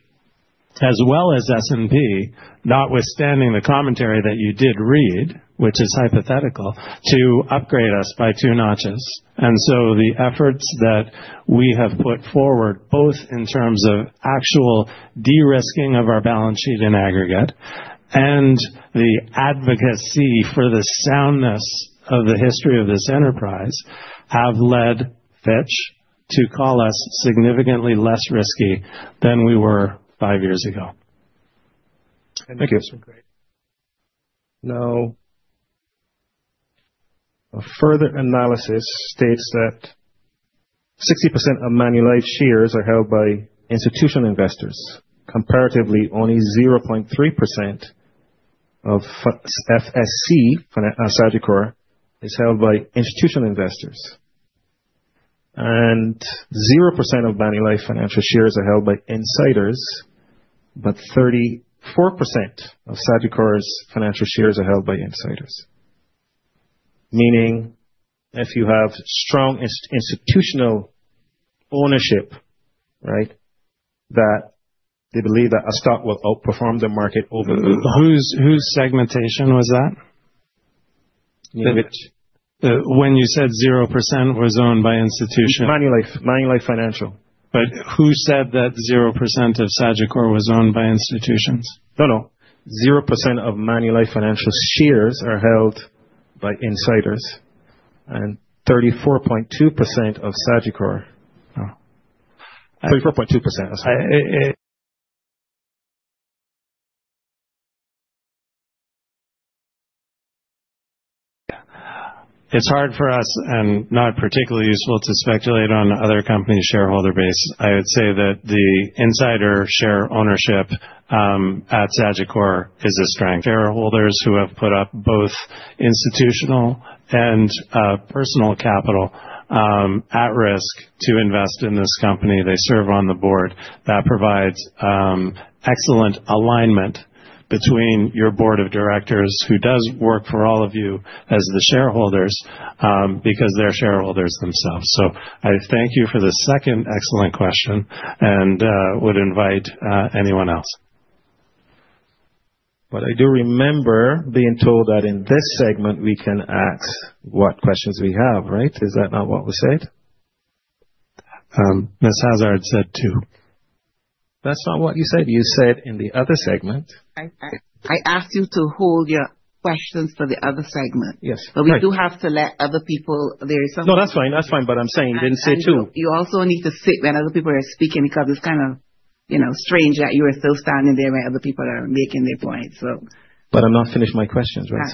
as well as S&P, notwithstanding the commentary that you did read, which is hypothetical, to upgrade us by two notches. The efforts that we have put forward, both in terms of actual de-risking of our balance sheet in aggregate and the advocacy for the soundness of the history of this enterprise, have led Fitch to call us significantly less risky than we were five years ago. Thank you. Now, a further analysis states that 60% of Manulife shares are held by institutional investors. Comparatively, only 0.3% of SFC is held by institutional investors. And 0% of Manulife Financial shares are held by insiders, but 34% of Sagicor Financial shares are held by insiders. Meaning, if you have strong institutional ownership, right, that they believe that a stock will outperform the market over. Whose segmentation was that? When you said 0% was owned by institutions. Manulife. Manulife Financial. But who said that 0% of Sagicor was owned by institutions? No, no. 0% of Manulife Financial shares are held by insiders. And 34.2% of Sagicor. 34.2%. It's hard for us and not particularly useful to speculate on other companies' shareholder base. I would say that the insider share ownership at Sagicor is a strength. Shareholders who have put up both institutional and personal capital at risk to invest in this company. They serve on the board. That provides excellent alignment between your board of directors who does work for all of you as the shareholders because they're shareholders themselves. I thank you for the second excellent question and would invite anyone else. I do remember being told that in this segment, we can ask what questions we have, right? Is that not what was said? Ms. Hazzard said two. That's not what you said. You said in the other segment. I asked you to hold your questions for the other segment. Yes. We do have to let other people. No, that's fine. That's fine. I'm saying you didn't say two. You also need to sit when other people are speaking because it's kind of strange that you are still standing there when other people are making their point. I'm not finished my questions, right?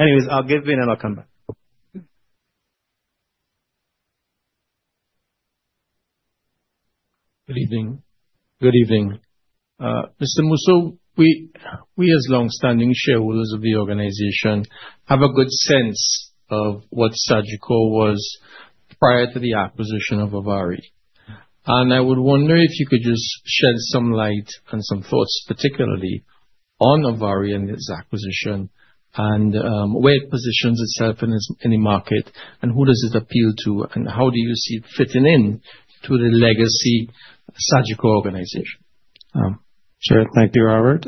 Anyways, I'll give in and I'll come back. Good evening. Good evening. Mr. Mousseau, we as long-standing shareholders of the organization have a good sense of what Sagicor was prior to the acquisition of ivari. I would wonder if you could just shed some light and some thoughts, particularly on ivari and its acquisition and where it positions itself in the market and who does it appeal to and how do you see it fitting into the legacy Sagicor organization. Sure. Thank you, Robert.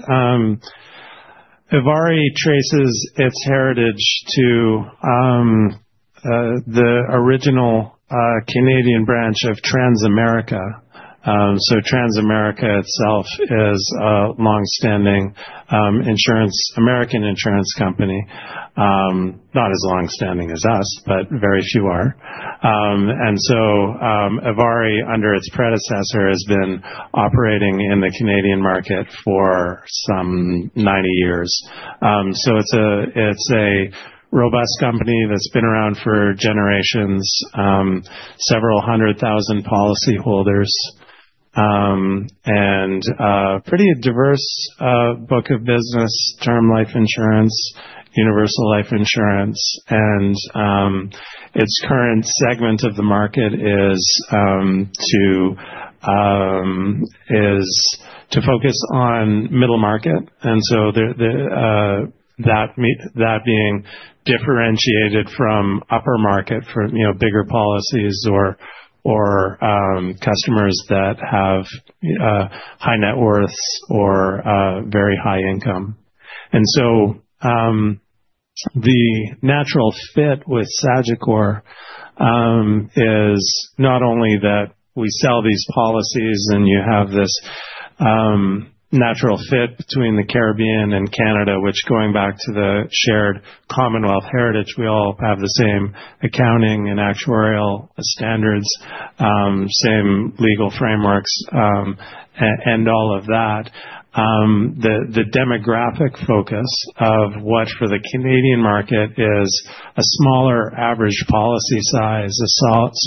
ivari traces its heritage to the original Canadian branch of Transamerica. Transamerica itself is a long-standing American insurance company. Not as long-standing as us, but very few are. ivari, under its predecessor, has been operating in the Canadian market for some 90 years. It is a robust company that has been around for generations, several hundred thousand policyholders, and a pretty diverse book of business: Term Life insurance, Universal Life insurance. Its current segment of the market is to focus on middle market, that being differentiated from upper market for bigger policies or customers that have high net worths or very high income. The natural fit with Sagicor is not only that we sell these policies and you have this natural fit between the Caribbean and Canada, which going back to the shared Commonwealth heritage, we all have the same accounting and actuarial standards, same legal frameworks, and all of that. The demographic focus of what for the Canadian market is a smaller average policy size, a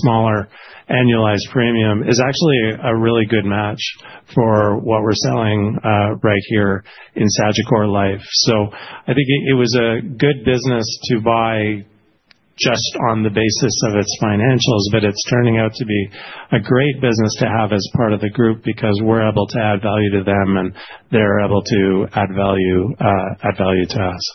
smaller annualized premium, is actually a really good match for what we're selling right here in Sagicor Life. I think it was a good business to buy just on the basis of its financials, but it's turning out to be a great business to have as part of the group because we're able to add value to them and they're able to add value to us.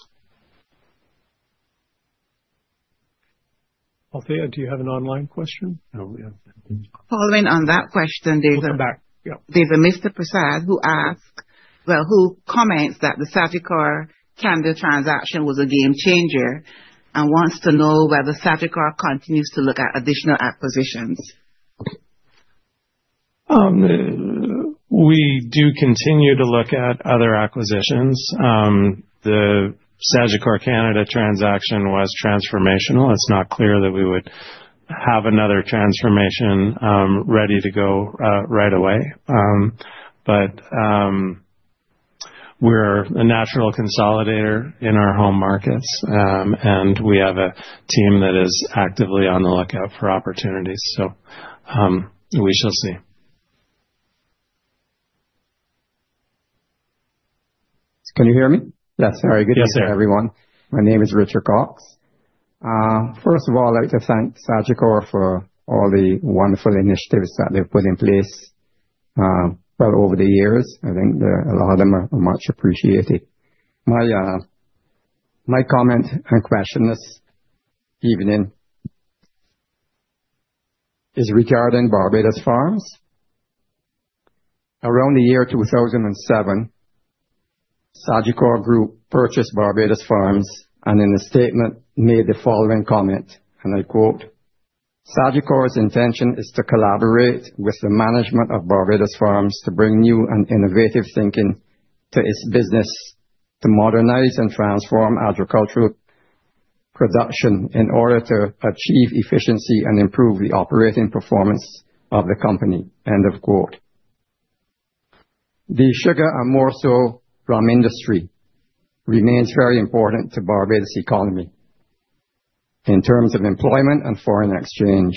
Althea, do you have an online question? Following on that question, there's a. Welcome back. There's a Mr. Prasad who asks, who comments that the Sagicor Canada transaction was a game changer and wants to know whether Sagicor continues to look at additional acquisitions. We do continue to look at other acquisitions. The Sagicor Canada transaction was transformational. It's not clear that we would have another transformation ready to go right away. We are a natural consolidator in our home markets, and we have a team that is actively on the lookout for opportunities. We shall see. Can you hear me? Yes. Very good to hear everyone. My name is Richard Cox. First of all, I'd like to thank Sagicor for all the wonderful initiatives that they've put in place over the years. I think a lot of them are much appreciated. My comment and question this evening is regarding Barbados Farms. Around the year 2007, Sagicor Group purchased Barbados Farms and in a statement made the following comment, and I quote, "Sagicor's intention is to collaborate with the management of Barbados Farms to bring new and innovative thinking to its business to modernize and transform agricultural production in order to achieve efficiency and improve the operating performance of the company." End of quote. The sugar and more so rum industry remains very important to Barbados' economy in terms of employment and foreign exchange.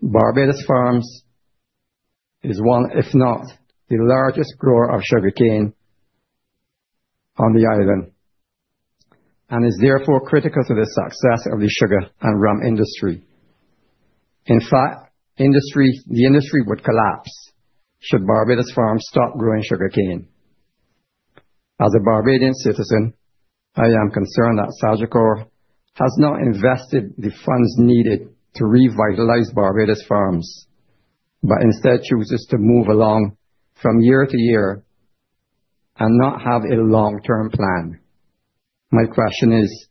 Barbados Farms is one, if not the largest grower of sugarcane on the island and is therefore critical to the success of the sugar and rum industry. In fact, the industry would collapse should Barbados Farms stop growing sugarcane. As a Barbadian citizen, I am concerned that Sagicor has not invested the funds needed to revitalize Barbados Farms, but instead chooses to move along from year to year and not have a long-term plan. My question is,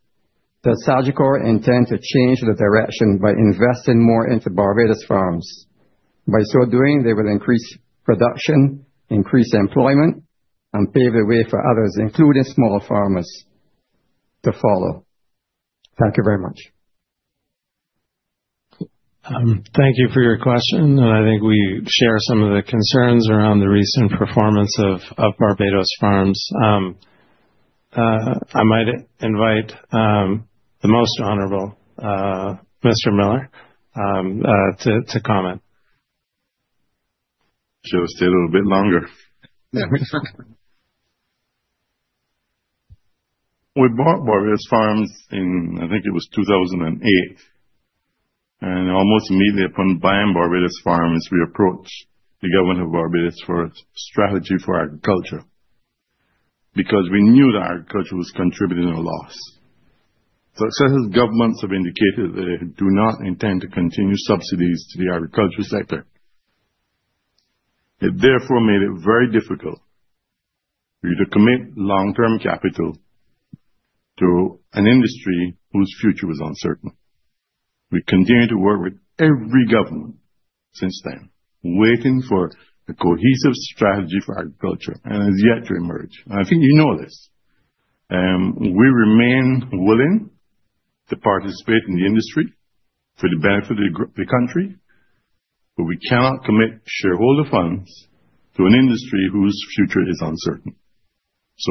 does Sagicor intend to change the direction by investing more into Barbados Farms? By so doing, they will increase production, increase employment, and pave the way for others, including small farmers, to follow. Thank you very much. Thank you for your question. I think we share some of the concerns around the recent performance of Barbados Farms. I might invite the most honorable Mr. Miller to comment. Just stay a little bit longer. We bought Barbados Farms in, I think it was 2008, and almost immediately upon buying Barbados Farms, we approached the government of Barbados for a strategy for agriculture because we knew that agriculture was contributing a loss. Successive governments have indicated they do not intend to continue subsidies to the agriculture sector. It therefore made it very difficult for you to commit long-term capital to an industry whose future was uncertain. We continue to work with every government since then, waiting for a cohesive strategy for agriculture and it has yet to emerge. I think you know this. We remain willing to participate in the industry for the benefit of the country, but we cannot commit shareholder funds to an industry whose future is uncertain.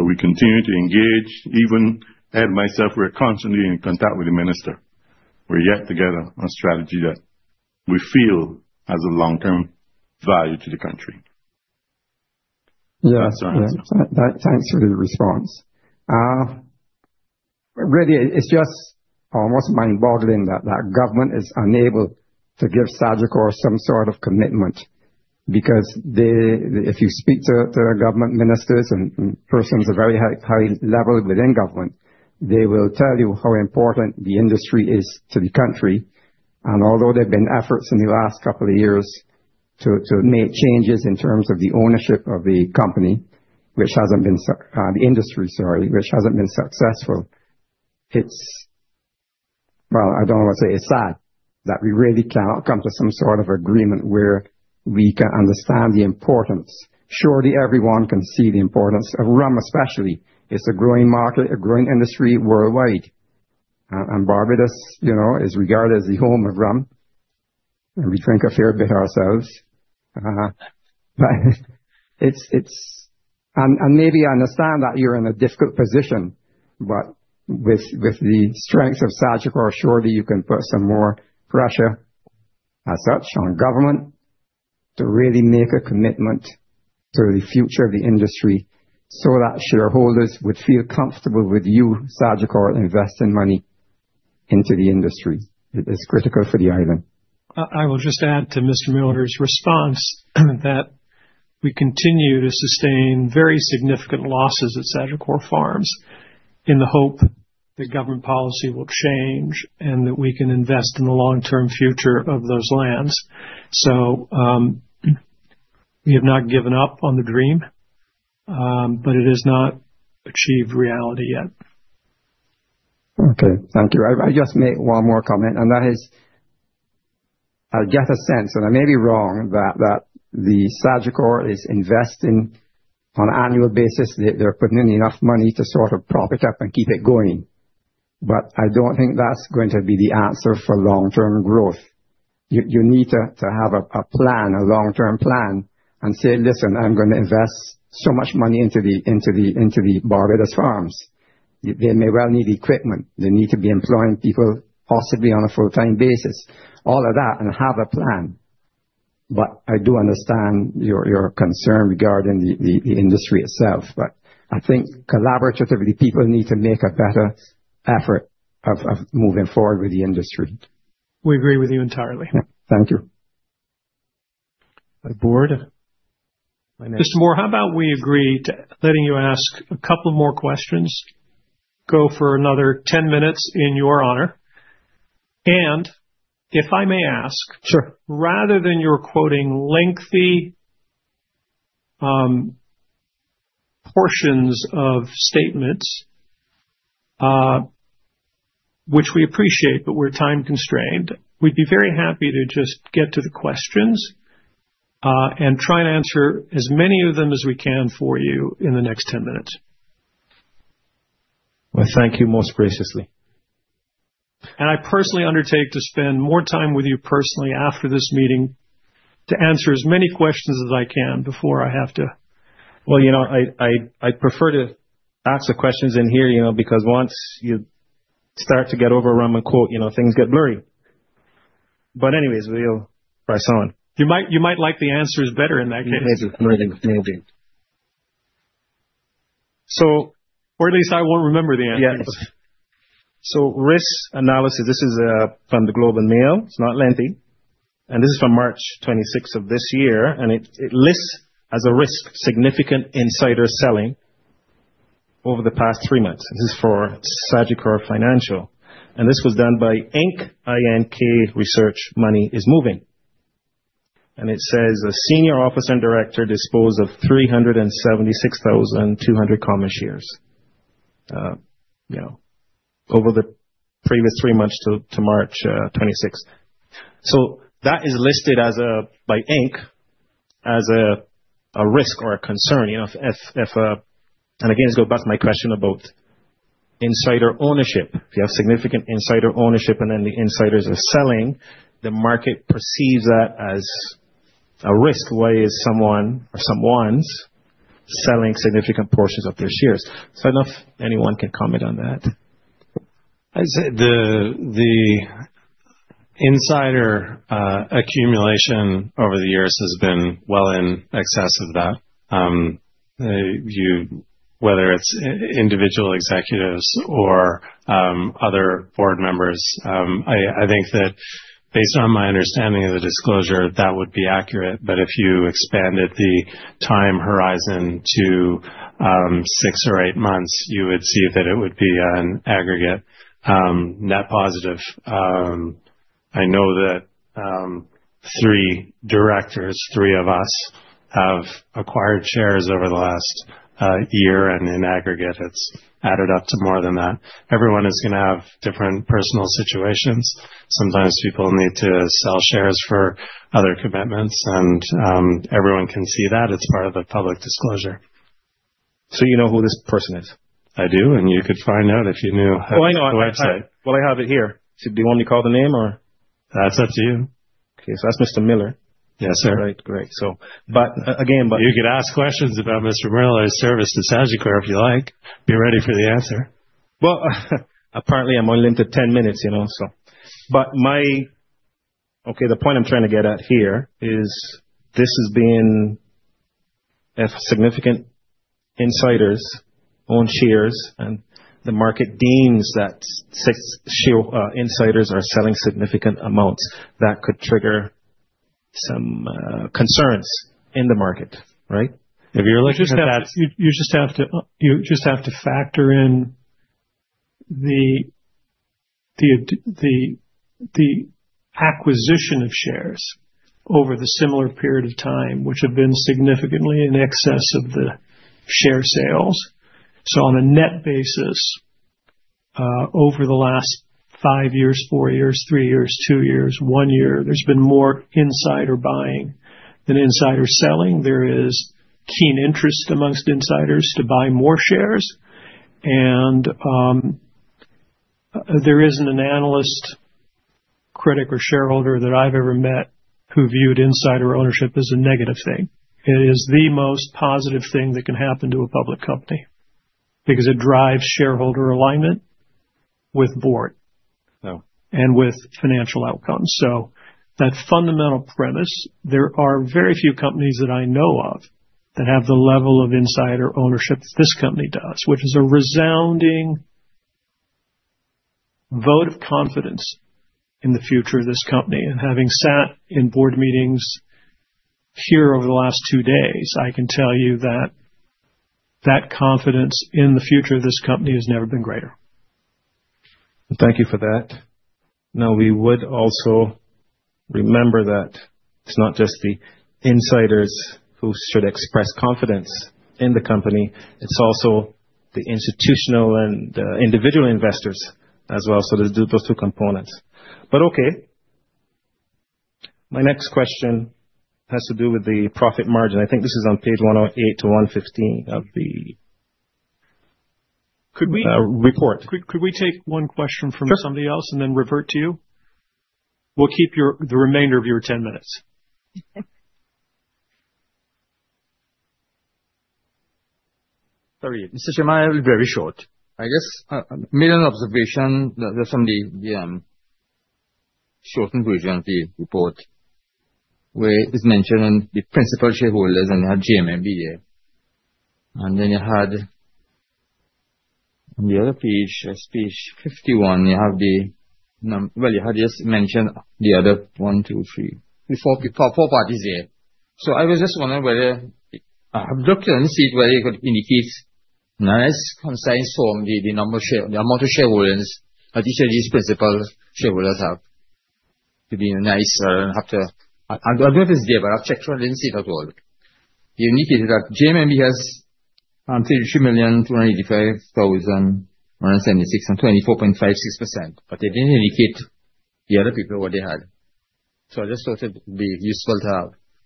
We continue to engage, even Ed and myself, we're constantly in contact with the minister. We're yet to get a strategy that we feel has a long-term value to the country. Yeah. Thanks for the response. Really, it's just, I was mind-boggling that government is unable to give Sagicor some sort of commitment because if you speak to government ministers and persons of very high level within government, they will tell you how important the industry is to the country. Although there have been efforts in the last couple of years to make changes in terms of the ownership of the company, which hasn't been the industry, sorry, which hasn't been successful, it's, well, I don't want to say it's sad that we really can't come to some sort of agreement where we can understand the importance. Surely everyone can see the importance of rum, especially. It's a growing market, a growing industry worldwide. Barbados is regarded as the home of rum. We drink a fair bit ourselves. Maybe I understand that you're in a difficult position, but with the strengths of Sagicor, surely you can put some more pressure as such on government to really make a commitment to the future of the industry so that shareholders would feel comfortable with you, Sagicor, investing money into the industry. It is critical for the island. I will just add to Mr. Miller's response that we continue to sustain very significant losses at Sagicor Farms in the hope that government policy will change and that we can invest in the long-term future of those lands. We have not given up on the dream, but it has not achieved reality yet. Okay. Thank you. I just made one more comment, and that is, I get a sense, and I may be wrong, that the Sagicor is investing on an annual basis. They're putting in enough money to sort of prop it up and keep it going. I don't think that's going to be the answer for long-term growth. You need to have a plan, a long-term plan, and say, "Listen, I'm going to invest so much money into the Barbados Farms." They may well need equipment. They need to be employing people, possibly on a full-time basis, all of that, and have a plan. I do understand your concern regarding the industry itself. I think collaboratively, people need to make a better effort of moving forward with the industry. We agree with you entirely. Thank you. Board. Mr. Moore, how about we agree to letting you ask a couple more questions? Go for another 10 minutes in your honor. If I may ask. Sure. Rather than your quoting lengthy portions of statements, which we appreciate, but we're time constrained, we'd be very happy to just get to the questions and try and answer as many of them as we can for you in the next 10 minutes. Thank you most graciously. I personally undertake to spend more time with you personally after this meeting to answer as many questions as I can before I have to. You know, I prefer to ask the questions in here because once you start to get over rum and quote, things get blurry. Anyways, we'll press on. You might like the answers better in that case. Maybe. Maybe. Or at least I won't remember the answers. Yes. Risk analysis, this is from the Globe and Mail. It's not lengthy. This is from March 26th of this year. It lists as a risk, significant insider selling over the past three months. This is for Sagicor Financial. This was done by INK Research Money is Moving. It says a senior officer and director disposed of 376,200 commerce shares over the previous three months to March 26. That is listed by INK as a risk or a concern. It goes back to my question about insider ownership. If you have significant insider ownership and then the insiders are selling, the market perceives that as a risk. Why is someone or someones selling significant portions of their shares? I do not know if anyone can comment on that. I would say the insider accumulation over the years has been well in excess of that. Whether it's individual executives or other board members, I think that based on my understanding of the disclosure, that would be accurate. If you expanded the time horizon to six or eight months, you would see that it would be an aggregate net positive. I know that three directors, three of us have acquired shares over the last year, and in aggregate, it's added up to more than that. Everyone is going to have different personal situations. Sometimes people need to sell shares for other commitments, and everyone can see that. It's part of the public disclosure. You know who this person is? I do. You could find out if you knew how to. I know on the website. I have it here. Do you want me to call the name or? That's up to you. Okay. That's Mr. Miller. Yes, sir. Right. Great. You could ask questions about Mr. Miller's service to Sagicor if you like. Be ready for the answer. Apparently, I'm only limited to 10 minutes, you know, so. The point I'm trying to get at here is this is being significant insiders own shares, and the market deems that insiders are selling significant amounts that could trigger some concerns in the market, right? If you're looking at that. You just have to factor in the acquisition of shares over the similar period of time, which have been significantly in excess of the share sales. On a net basis, over the last five years, four years, three years, two years, one year, there's been more insider buying than insider selling. There is keen interest amongst insiders to buy more shares. There isn't an analyst, critic, or shareholder that I've ever met who viewed insider ownership as a negative thing. It is the most positive thing that can happen to a public company because it drives shareholder alignment with board and with financial outcomes. That fundamental premise, there are very few companies that I know of that have the level of insider ownership this company does, which is a resounding vote of confidence in the future of this company. Having sat in board meetings here over the last two days, I can tell you that confidence in the future of this company has never been greater. Thank you for that. We would also remember that it's not just the insiders who should express confidence in the company. It's also the institutional and individual investors as well. There's those two components. Okay. My next question has to do with the profit margin. I think this is on page 108 to 115 of the report. Could we take one question from somebody else and then revert to you? We'll keep the remainder of your 10 minutes. Sorry. Mr. Shammal, very short. I guess a million observations. There's some short and brief in the report where it's mentioning the principal shareholders and you had JMMB there. And then you had on the other page, page 51, you have the, you had just mentioned the other one, two, three, four parties there. I was just wondering whether I have looked and seen whether it would indicate nice concise form, the amount of shareholders that each of these principal shareholders have to be nice and have to, I don't know if it's there, but I've checked it. I didn't see it at all. The unique is that JMMB has 33,285,176 and 24.56%. But they did not indicate the other people what they had. I just thought it would be useful to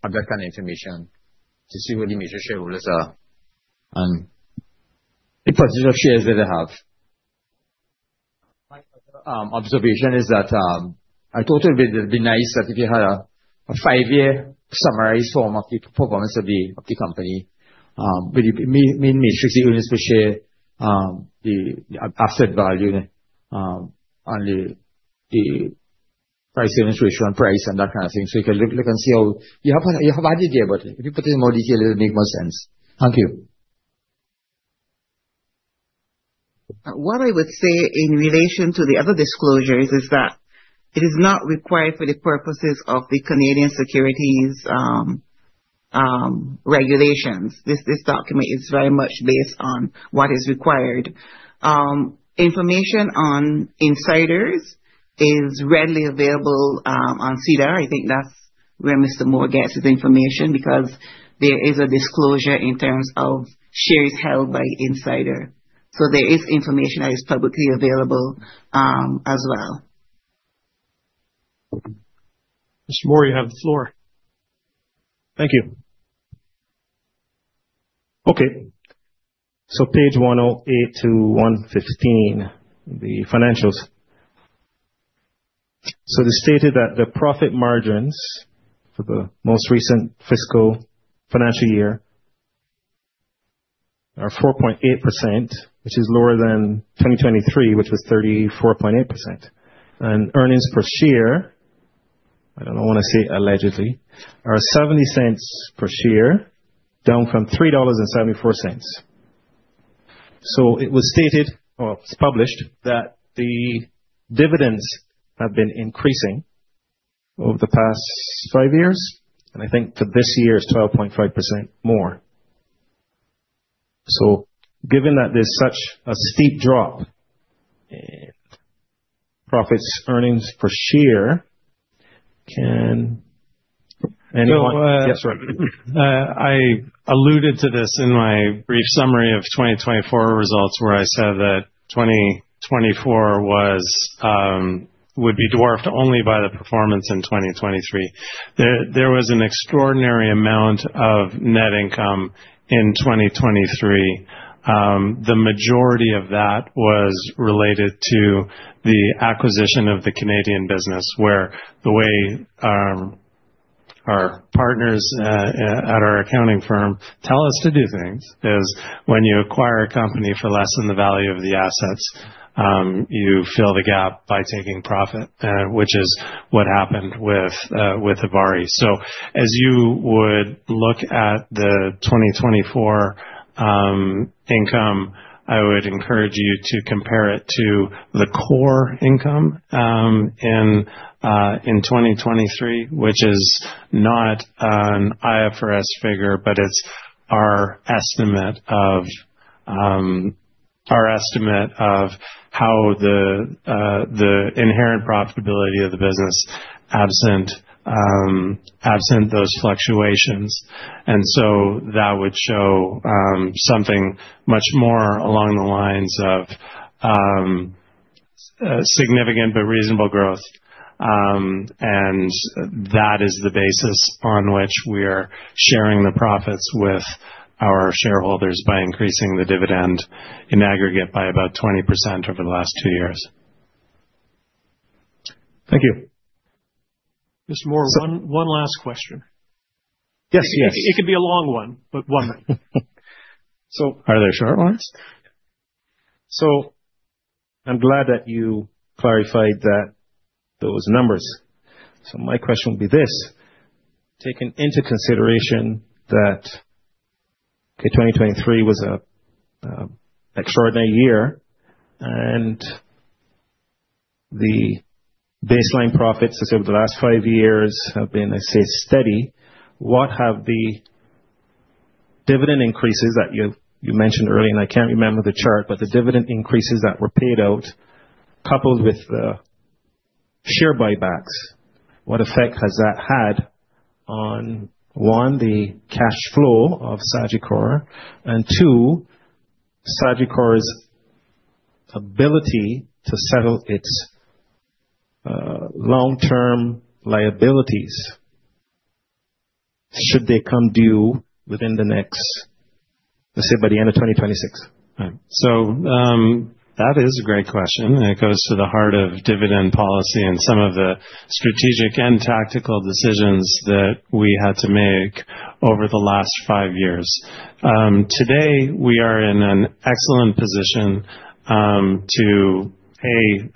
have that kind of information to see where the major shareholders are and the positive shares that they have. My observation is that I thought it would be nice that if you had a five-year summarized form of the performance of the company, with matrix the earnings per share, the asset value, and the price earnings ratio and price and that kind of thing. You can look and see how you have added there, but if you put it in more detail, it would make more sense. Thank you. What I would say in relation to the other disclosures is that it is not required for the purposes of the Canadian Securities Regulations. This document is very much based on what is required. Information on insiders is readily available on SEDAR. I think that's where Mr. Moore gets his information because there is a disclosure in terms of shares held by insider. So there is information that is publicly available as well. Mr. Moore, you have the floor. Thank you. Okay. Page 108 to 115, the financials. They stated that the profit margins for the most recent fiscal financial year are 4.8%, which is lower than 2023, which was 34.8%. Earnings per share, I do not want to say allegedly, are $0.70 per share, down from $3.74. It was stated, it is published that the dividends have been increasing over the past five years. I think for this year it is 12.5% more. Given that there is such a steep drop in profits, earnings per share, can anyone? Yeah, sorry. I alluded to this in my brief summary of 2024 results where I said that 2024 would be dwarfed only by the performance in 2023. There was an extraordinary amount of net income in 2023. The majority of that was related to the acquisition of the Canadian business, where the way our partners at our accounting firm tell us to do things is when you acquire a company for less than the value of the assets, you fill the gap by taking profit, which is what happened with ivari. As you would look at the 2024 income, I would encourage you to compare it to the core income in 2023, which is not an IFRS figure, but it's our estimate of how the inherent profitability of the business absent those fluctuations. That would show something much more along the lines of significant but reasonable growth. That is the basis on which we are sharing the profits with our shareholders by increasing the dividend in aggregate by about 20% over the last two years. Thank you. Mr. Moore, one last question. Yes, yes. It could be a long one, but one minute. Are there short ones? I am glad that you clarified those numbers. My question would be this: taken into consideration that 2023 was an extraordinary year and the baseline profits, I said, over the last five years have been, I say, steady, what have the dividend increases that you mentioned earlier? I can't remember the chart, but the dividend increases that were paid out coupled with the share buybacks, what effect has that had on, one, the cash flow of Sagicor and, two, Sagicor's ability to settle its long-term liabilities should they come due within the next, let's say, by the end of 2026? That is a great question. It goes to the heart of dividend policy and some of the strategic and tactical decisions that we had to make over the last five years. Today, we are in an excellent position to pay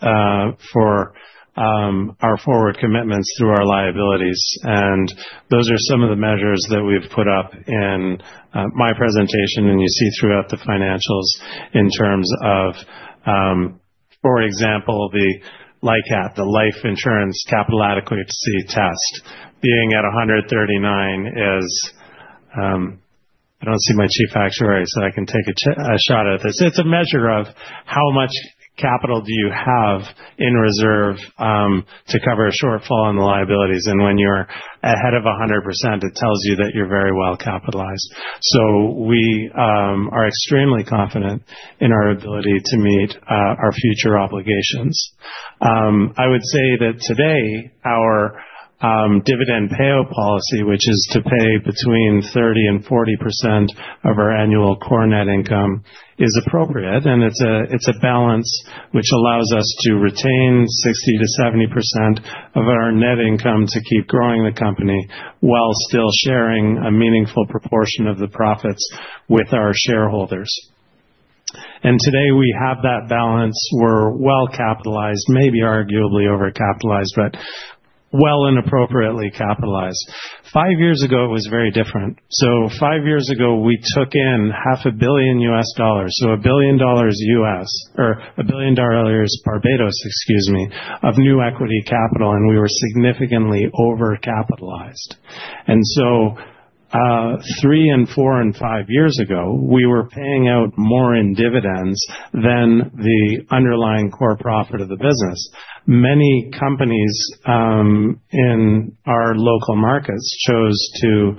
for our forward commitments through our liabilities. Those are some of the measures that we've put up in my presentation, and you see throughout the financials in terms of, for example, the LICAT, the Life Insurance Capital Adequacy Test, being at 139. I do not see my Chief Actuary, so I can take a shot at this. It is a measure of how much capital you have in reserve to cover a shortfall on the liabilities. When you are ahead of 100%, it tells you that you are very well capitalized. We are extremely confident in our ability to meet our future obligations. I would say that today, our dividend payout policy, which is to pay between 30%-40% of our annual core net income, is appropriate. It is a balance which allows us to retain 60%-70% of our net income to keep growing the company while still sharing a meaningful proportion of the profits with our shareholders. Today, we have that balance. We are well capitalized, maybe arguably overcapitalized, but well and appropriately capitalized. Five years ago, it was very different. Five years ago, we took in $500 million, so BBD 1 billion, excuse me, of new equity capital, and we were significantly overcapitalized. Three and four and five years ago, we were paying out more in dividends than the underlying core profit of the business. Many companies in our local markets chose to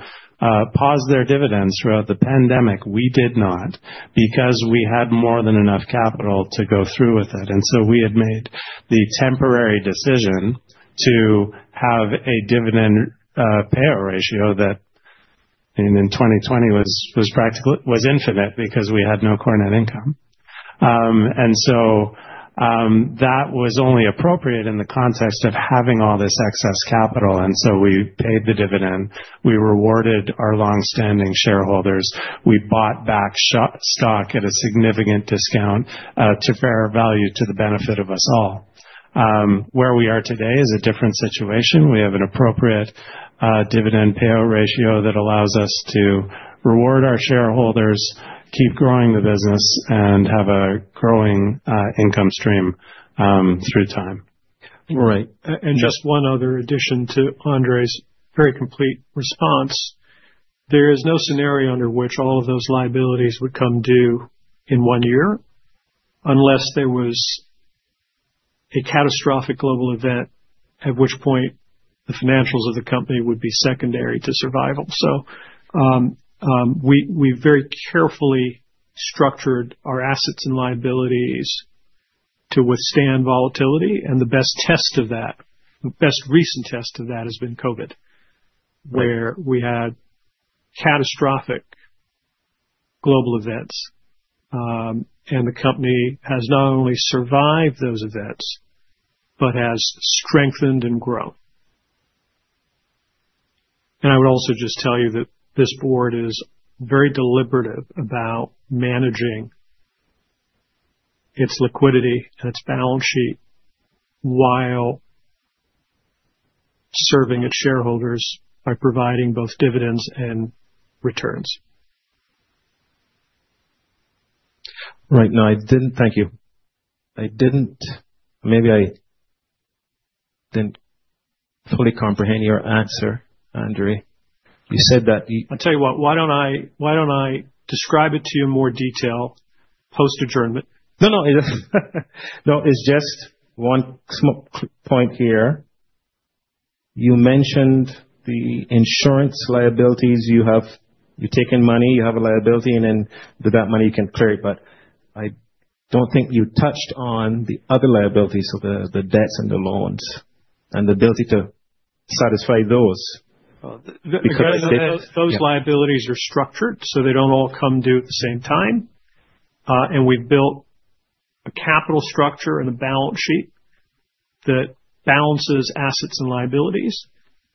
pause their dividends throughout the pandemic. We did not because we had more than enough capital to go through with it. We had made the temporary decision to have a dividend payout ratio that in 2020 was infinite because we had no core net income. That was only appropriate in the context of having all this excess capital. We paid the dividend. We rewarded our long-standing shareholders. We bought back stock at a significant discount to fair value to the benefit of us all. Where we are today is a different situation. We have an appropriate dividend payout ratio that allows us to reward our shareholders, keep growing the business, and have a growing income stream through time. Right. Just one other addition to Andre's very complete response. There is no scenario under which all of those liabilities would come due in one year unless there was a catastrophic global event, at which point the financials of the company would be secondary to survival. We very carefully structured our assets and liabilities to withstand volatility. The best test of that, the best recent test of that, has been COVID, where we had catastrophic global events. The company has not only survived those events but has strengthened and grown. I would also just tell you that this board is very deliberative about managing its liquidity and its balance sheet while serving its shareholders by providing both dividends and returns. Right. No, I didn't. Thank you. Maybe I didn't fully comprehend your answer, Andre. You said that. I'll tell you what. Why don't I describe it to you in more detail post-adjournment? No, no. No, it's just one small point here. You mentioned the insurance liabilities. You've taken money. You have a liability. Then with that money, you can clear it. But I do not think you touched on the other liabilities, so the debts and the loans and the ability to satisfy those. Because those liabilities are structured, so they do not all come due at the same time. We have built a capital structure and a balance sheet that balances assets and liabilities.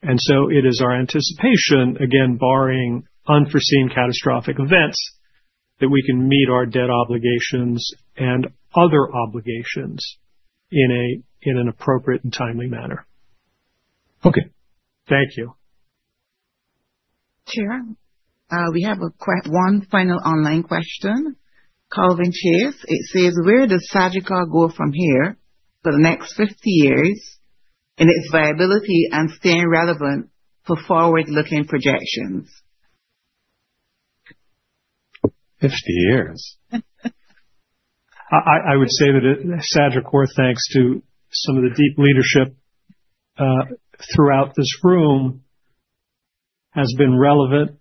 It is our anticipation, again, barring unforeseen catastrophic events, that we can meet our debt obligations and other obligations in an appropriate and timely manner. Okay. Thank you. Sure. We have one final online question. Calvin Chase. It says, "Where does Sagicor go from here for the next 50 years in its viability and staying relevant for forward-looking projections?" Fifty years. I would say that Sagicor, thanks to some of the deep leadership throughout this room, has been relevant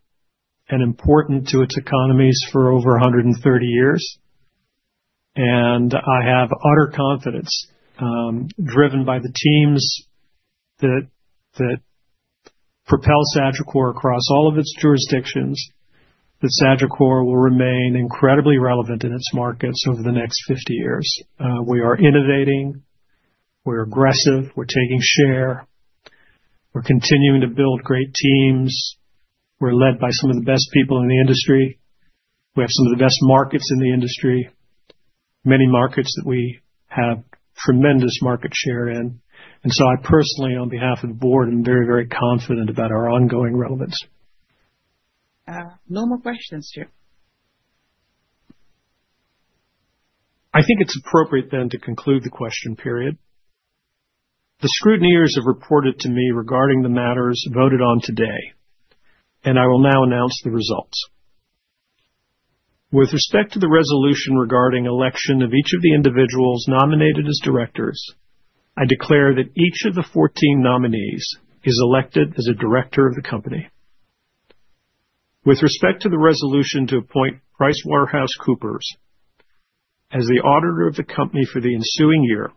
and important to its economies for over 130 years. I have utter confidence, driven by the teams that propel Sagicor across all of its jurisdictions, that Sagicor will remain incredibly relevant in its markets over the next 50 years. We are innovating. We're aggressive. We're taking share. We're continuing to build great teams. We're led by some of the best people in the industry. We have some of the best markets in the industry, many markets that we have tremendous market share in. I personally, on behalf of the board, am very, very confident about our ongoing relevance. No more questions, sir. I think it is appropriate then to conclude the question period. The scrutineers have reported to me regarding the matters voted on today. I will now announce the results. With respect to the resolution regarding election of each of the individuals nominated as directors, I declare that each of the 14 nominees is elected as a director of the company. With respect to the resolution to appoint PricewaterhouseCoopers as the auditor of the company for the ensuing year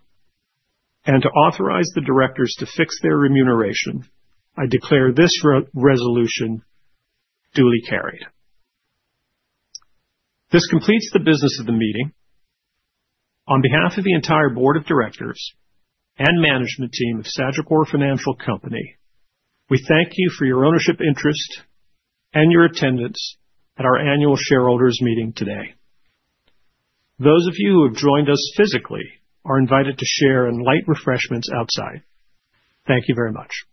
and to authorize the directors to fix their remuneration, I declare this resolution duly carried. This completes the business of the meeting. On behalf of the entire board of directors and management team of Sagicor Financial Company, we thank you for your ownership interest and your attendance at our annual shareholders meeting today. Those of you who have joined us physically are invited to share and light refreshments outside. Thank you very much.